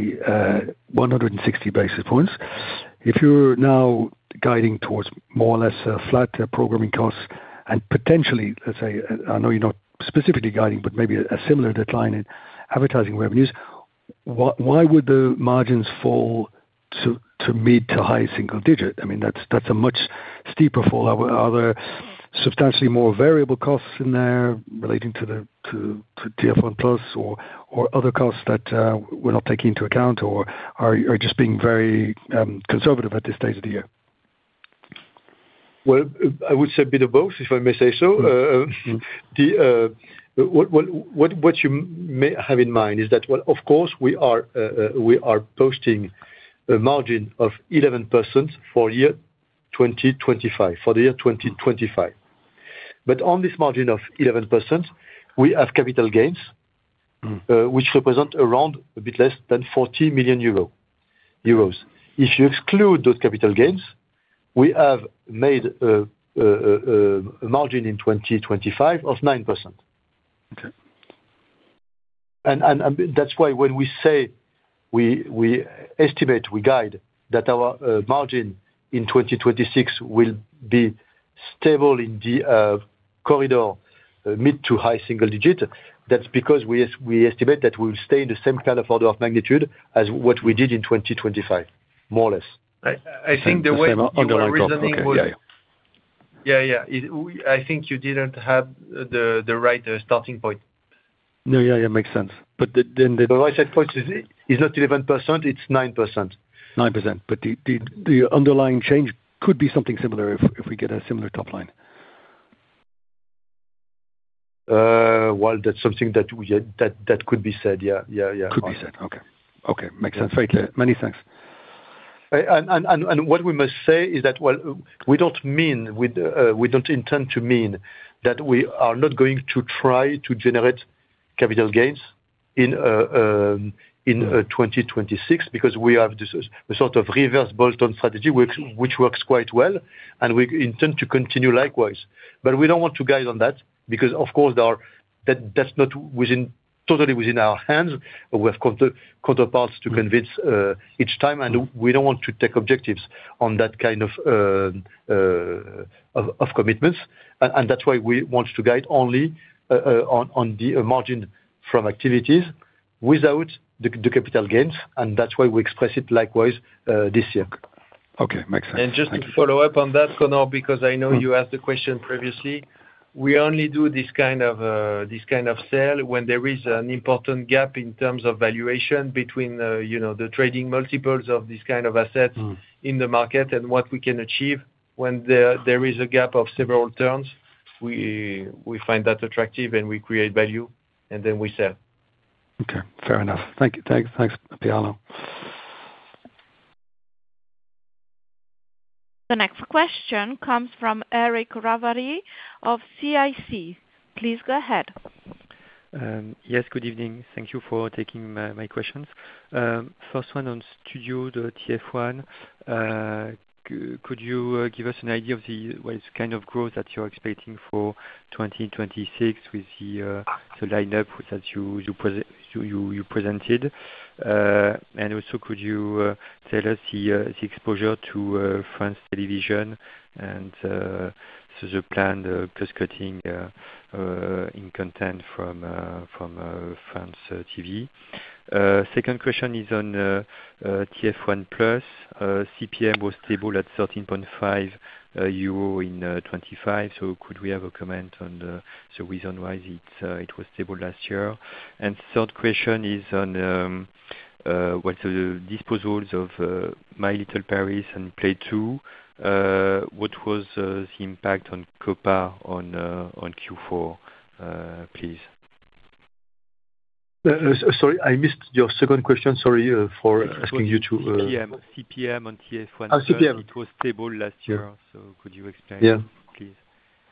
160 basis points. If you're now guiding towards more or less flat programming costs, and potentially, let's say, I know you're not specifically guiding, but maybe a similar decline in advertising revenues—why would the margins fall to mid- to high-single-digit? I mean, that's a much steeper fall. Are there substantially more variable costs in there relating to the TF1+ or other costs that we're not taking into account, or are you just being very conservative at this stage of the year? Well, I would say a bit of both, if I may say so. What you may have in mind is that, well, of course, we are posting a margin of 11% for year 2025, for the year 2025. But on this margin of 11%, we have capital gains which represent around a bit less than 40 million euros. If you exclude those capital gains, we have made a margin in 2025 of 9%. Okay. That's why when we say we estimate, we guide, that our margin in 2026 will be stable in the corridor, mid- to high-single digit. That's because we estimate that we'll stay in the same kind of order of magnitude as what we did in 2025, more or less. I think the way... Underlying profit. Okay, yeah, yeah. Yeah, yeah. We, I think you didn't have the right starting point. No, yeah, yeah, makes sense. But then the right point is not 11%, it's 9%. 9%. But the underlying change could be something similar if we get a similar top line. Well, that's something that we, that, that could be said, yeah. Yeah, yeah. Could be said. Okay. Okay, makes sense. Very clear. Many thanks. What we must say is that, well, we don't mean with, we don't intend to mean that we are not going to try to generate capital gains in 2026, because we have this sort of reverse bolt-on strategy which works quite well, and we intend to continue likewise. But we don't want to guide on that, because, of course, there are-- That's not totally within our hands. We have counterparts to convince each time, and we don't want to take objectives on that kind of of commitments. And that's why we want to guide only on the margin from activities without the capital gains, and that's why we express it likewise this year. Okay, makes sense. Just to follow up on that, Conor, because I know you asked the question previously. We only do this kind of sale when there is an important gap in terms of valuation between, you know, the trading multiples of this kind of assets in the market and what we can achieve when there is a gap of several terms, we find that attractive and we create value, and then we sell. Okay, fair enough. Thank you. Thanks, Pierre-Alain. The next question comes from Eric Ravary of CIC. Please go ahead. Yes, good evening. Thank you for taking my questions. First one on Studio TF1. Could you give us an idea of what's kind of growth that you're expecting for 2026 with the lineup which you presented? And also, could you tell us the exposure to France Télévisions and so the planned cost-cutting in content from France TV? Second question is on TF1+. CPM was stable at 13.5 euro in 2025, so could we have a comment on the reason why it was stable last year? Third question is on what are the disposals of My Little Paris and Play Two, what was the impact on COPA on Q4, please? Sorry, I missed your second question. Sorry, for asking you to.. CPM. CPM on TF1. Ah, CPM. It was stable last year. So, could you explain? Please.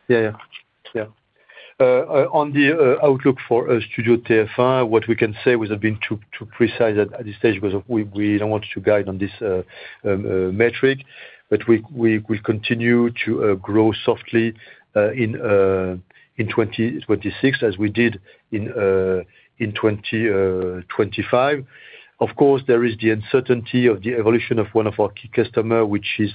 Yeah, yeah. Yeah. On the outlook for Studio TF1, what we can say without being too precise at this stage, because we don't want to guide on this metric, but we continue to grow softly in 2026, as we did in 2025. Of course, there is the uncertainty of the evolution of one of our key customer, which is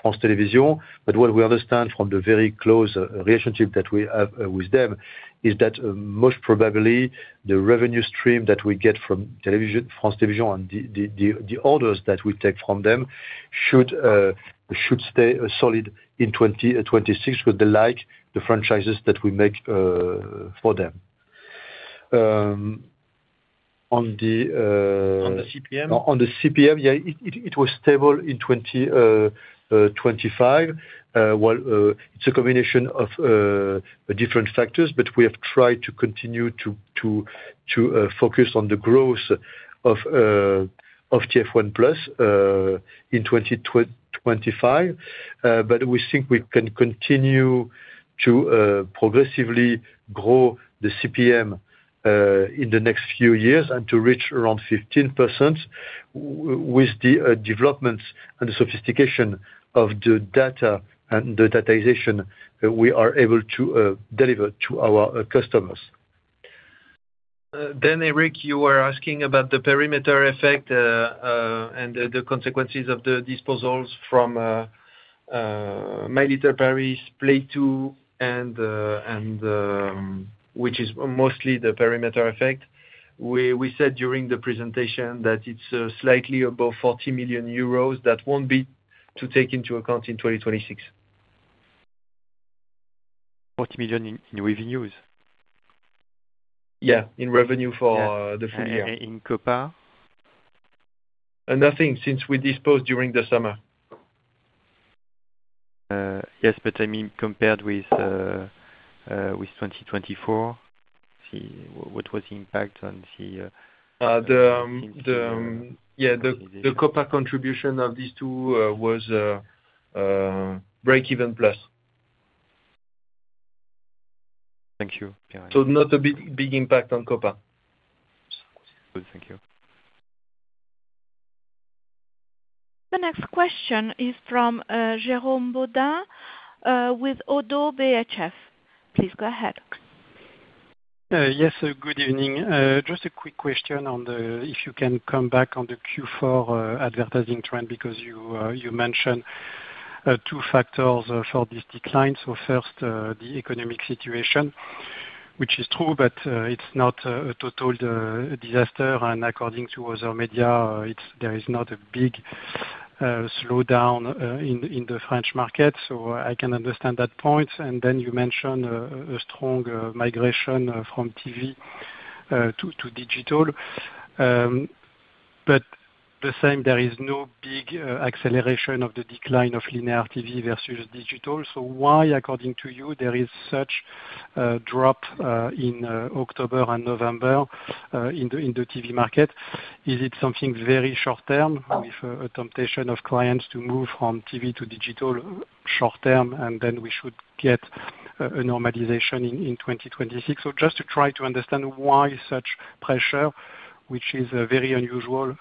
France Télévisions. But what we understand from the very close relationship that we have with them, is that most probably, the revenue stream that we get from television, France Télévisions and the orders that we take from them should stay solid in 2026, with the like, the franchises that we make for them. On the— On the CPM? On the CPM, yeah, it was stable in 2025. Well, it's a combination of different factors, but we have tried to continue to focus on the growth of TF1+ in 2025. But we think we can continue to progressively grow the CPM in the next few years, and to reach around 15% with the developments and the sophistication of the data and the digitization that we are able to deliver to our customers. Then, Eric, you were asking about the perimeter effect, and the consequences of the disposals from My Little Paris, Play Two, and which is mostly the perimeter effect. We said during the presentation that it's slightly above 40 million euros. That won't be to take into account in 2026. 40 million in revenues? Yeah, in revenue for the full year. In COPA? Nothing, since we disposed during the summer. Yes, but I mean, compared with, with 2024, see what was the impact on the... Yeah. The- The COPA contribution of these two was breakeven plus. Thank you very much. Not a big, big impact on COPA. Good. Thank you. The next question is from, Jérôme Bodin, with ODDO BHF. Please go ahead. Yes, good evening. Just a quick question on the... If you can come back on the Q4 advertising trend, because you mentioned two factors for this decline. So first, the economic situation, which is true, but it's not a total disaster. And according to other media, there is not a big slowdown in the French market. So I can understand that point. And then you mention a strong migration from TV to digital. But the same, there is no big acceleration of the decline of linear TV versus digital. So why, according to you, there is such a drop in October and November in the TV market? Is it something very short term with a temptation of clients to move from TV to digital short term, and then we should get a normalization in 2026? So just to try to understand why such pressure, which is very unusual,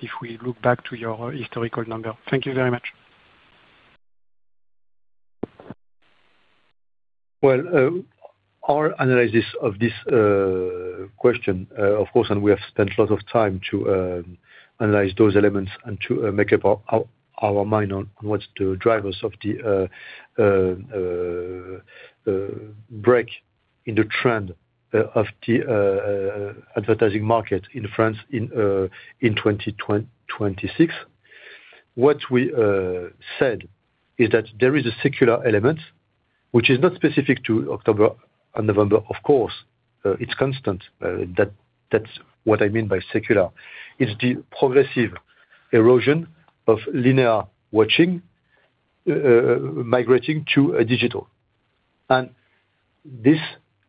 if we look back to your historical number. Thank you very much. Well, our analysis of this question, of course, and we have spent a lot of time to analyze those elements and to make up our mind on what's the drivers of the break in the trend of the advertising market in France in 2026. What we said is that there is a secular element which is not specific to October and November, of course, it's constant. That's what I mean by secular. It's the progressive erosion of linear watching migrating to digital. And this,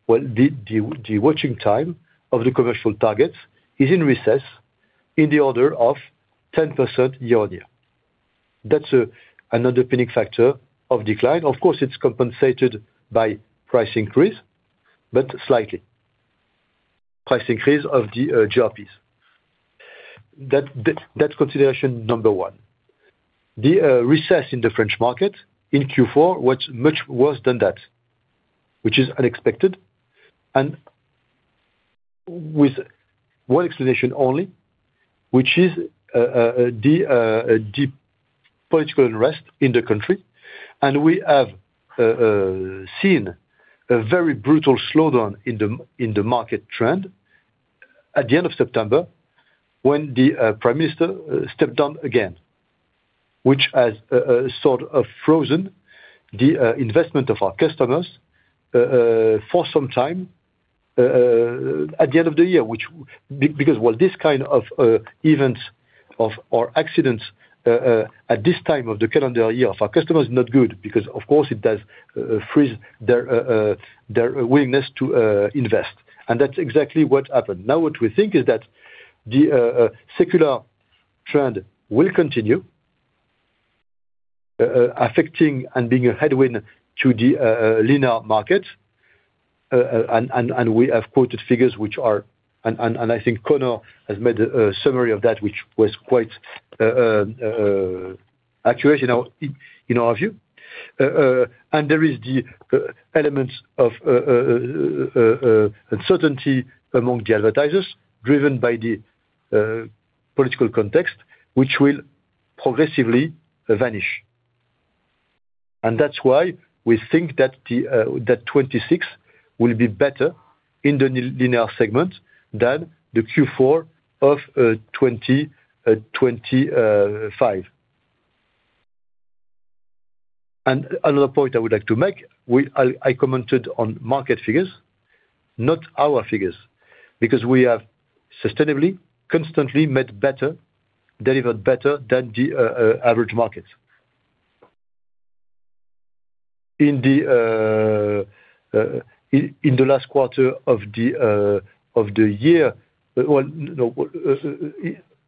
well, the watching time of the commercial targets is in recess in the order of 10% year-on-year. That's another pinning factor of decline. Of course, it's compensated by price increase, but slightly. Price increase of the GRPs. That's consideration number one. The recession in the French market in Q4 was much worse than that, which is unexpected and with one explanation only, which is the deep political unrest in the country. And we have seen a very brutal slowdown in the market trend at the end of September, when the Prime Minister stepped down again, which has sort of frozen the investment of our customers for some time at the end of the year. Because, well, this kind of events or accidents at this time of the calendar year for our customers is not good, because of course it does freeze their willingness to invest. And that's exactly what happened. Now, what we think is that the secular trend will continue, affecting and being a headwind to the linear market. And we have quoted figures which are--And I think Conor has made a summary of that, which was quite accurate, in our view. And there is the elements of uncertainty among the advertisers, driven by the political context, which will progressively vanish. And that's why we think that 2026 will be better in the linear segment than the Q4 of 2025. Another point I would like to make. I commented on market figures, not our figures, because we have sustainably, constantly delivered better than the average market. In the last quarter of the year, well, no,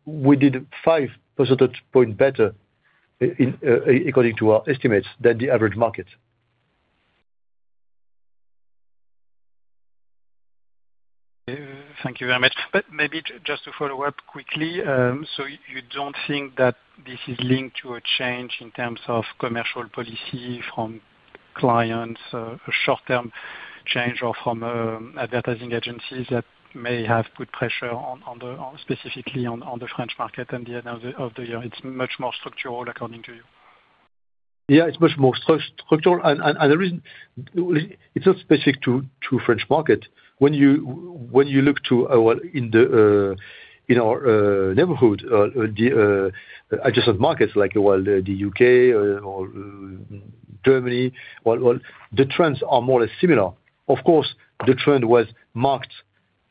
we did five percentage point better, according to our estimates, than the average market. Thank you very much. But maybe just to follow up quickly, so you don't think that this is linked to a change in terms of commercial policy from clients, short-term change or from advertising agencies that may have put pressure on, specifically on the French market at the end of the year. It's much more structural according to you? Yeah, it's much more structural. And the reason, it's not specific to the French market. When you look to our neighborhood, the adjacent markets, like, well, the UK or Germany, well, the trends are more or less similar. Of course, the trend was marked,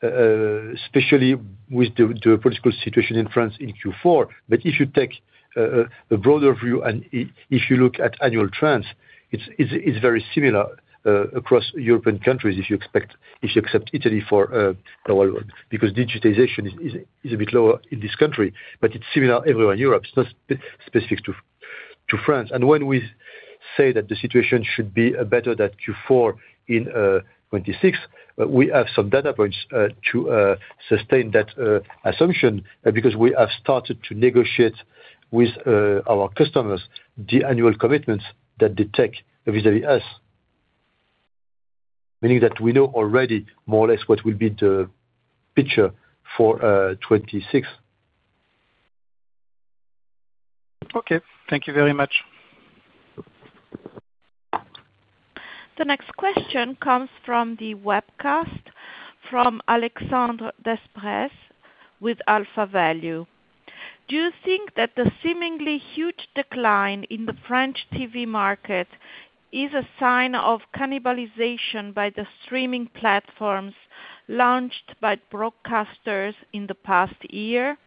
especially with the political situation in France in Q4. But if you take a broader view, and if you look at annual trends, it's very similar across European countries, if you accept Italy, well, because digitization is a bit lower in this country, but it's similar everywhere in Europe. It's not specific to France. When we say that the situation should be better than Q4 in 2026, we have some data points to sustain that assumption because we have started to negotiate with our customers, the annual commitments that they take vis-à-vis us. Meaning that we know already more or less what will be the picture for 2026. Okay, thank you very much. The next question comes from the webcast, from Alexandre Desprez with AlphaValue. Do you think that the seemingly huge decline in the French TV market is a sign of cannibalization by the streaming platforms launched by broadcasters in the past year?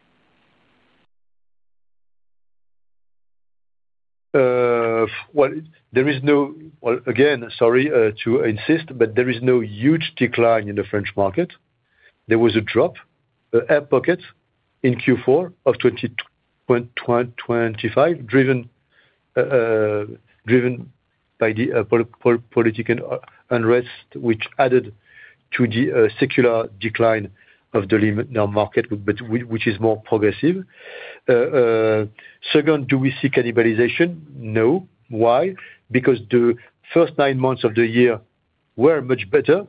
Well, there is no-- Well, again, sorry, to insist, but there is no huge decline in the French market. There was a drop, air pocket in Q4 of 2025, driven by the political unrest, which added to the secular decline of the linear market, but which is more progressive. Second, do we see cannibalization? No. Why? Because the first nine months of the year were much better,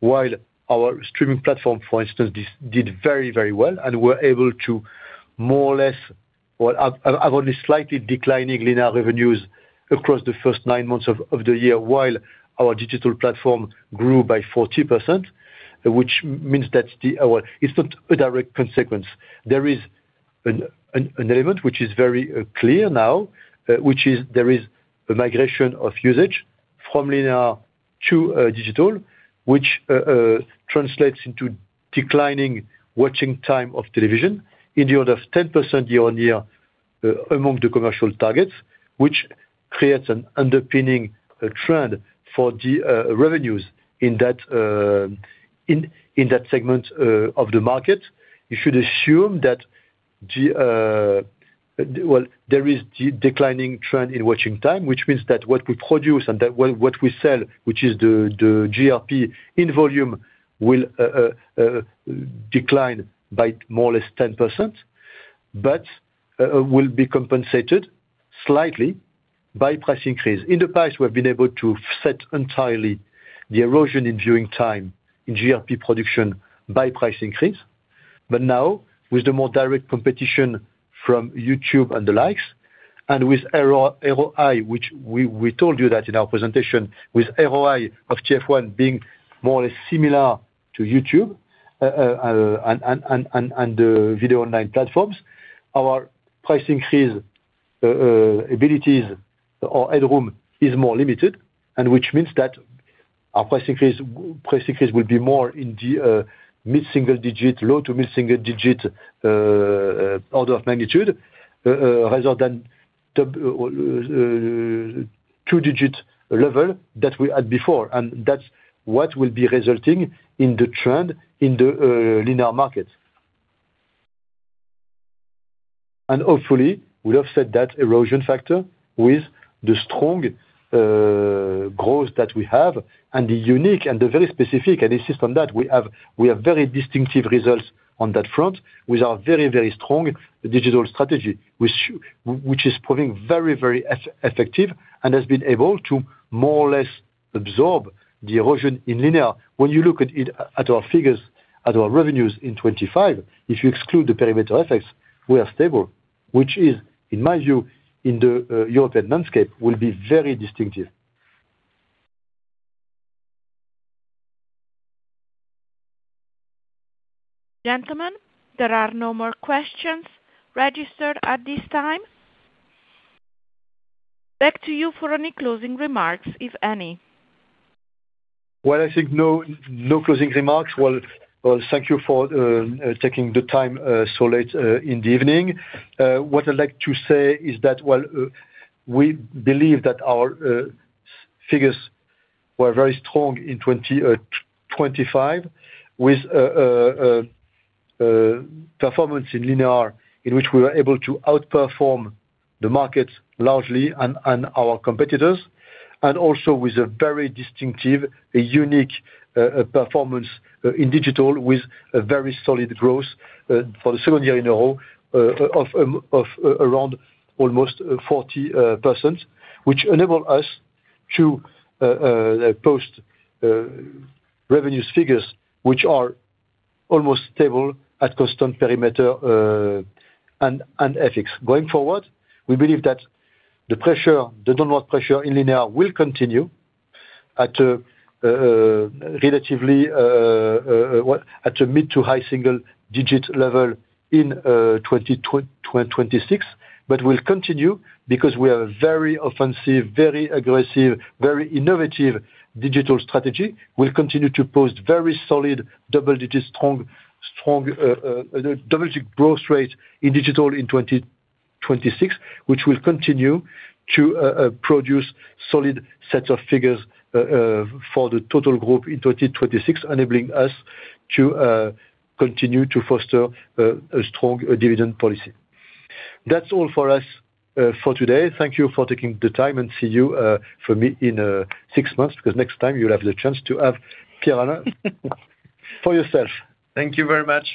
while our streaming platform, for instance, did very, very well, and were able to more or less, well, have only slightly declining linear revenues across the first nine months of the year, while our Digital platform grew by 40%. Which means that it's not a direct consequence. There is an element which is very clear now, which is there is a migration of usage from linear to digital. Which translates into declining watching time of television in the order of 10% year-on-year, among the commercial targets, which creates an underpinning trend for the revenues in that in that segment of the market. You should assume that the well, there is declining trend in watching time, which means that what we produce and that well, what we sell, which is the the GRP in volume, will decline by more or less 10%, but will be compensated slightly by price increase. In the past, we have been able to set entirely the erosion in viewing time in GRP production by price increase. But now, with the more direct competition from YouTube and the likes, and with ROI, which we told you that in our presentation, with ROI of TF1 being more or less similar to YouTube, and video online platforms, our price increase abilities or headroom is more limited. And which means that our price increase will be more in the mid-single digit, low to mid-single digit order of magnitude, rather than two-digit level that we had before. And that's what will be resulting in the trend in the linear market. Hopefully, we have set that erosion factor with the strong growth that we have and the unique and the very specific, and insist on that, we have very distinctive results on that front, with our very, very strong digital strategy, which which is proving very, very effective, and has been able to more or less absorb the erosion in linear. When you look at it, at our figures, at our revenues in 2025, if you exclude the perimeter effects, we are stable, which is, in my view, in the European landscape, will be very distinctive. Gentlemen, there are no more questions registered at this time. Back to you for any closing remarks, if any. Well, I think no closing remarks. Well, well, thank you for taking the time so late in the evening. What I'd like to say is that, well, we believe that our figures were very strong in 2025, with performance in linear, in which we were able to outperform the market largely and our competitors, and also with a very distinctive, a unique performance in Digital, with a very solid growth for the second year in a row of around almost 40%. Which enable us to post revenues figures, which are almost stable at constant perimeter and FX. Going forward, we believe that the pressure, the downward pressure in linear will continue at a relatively what, at a mid- to high-single-digit level in 2026. But we'll continue, because we are very offensive, very aggressive, very innovative Digital strategy, we'll continue to post very solid double-digit strong, strong double-digit growth rate in Digital in 2026, which will continue to produce solid set of figures for the total group in 2026, enabling us to continue to foster a strong dividend policy. That's all for us for today. Thank you for taking the time, and see you for me, in six months, because next time you'll have the chance to have Pierre-Alain for yourself. Thank you very much.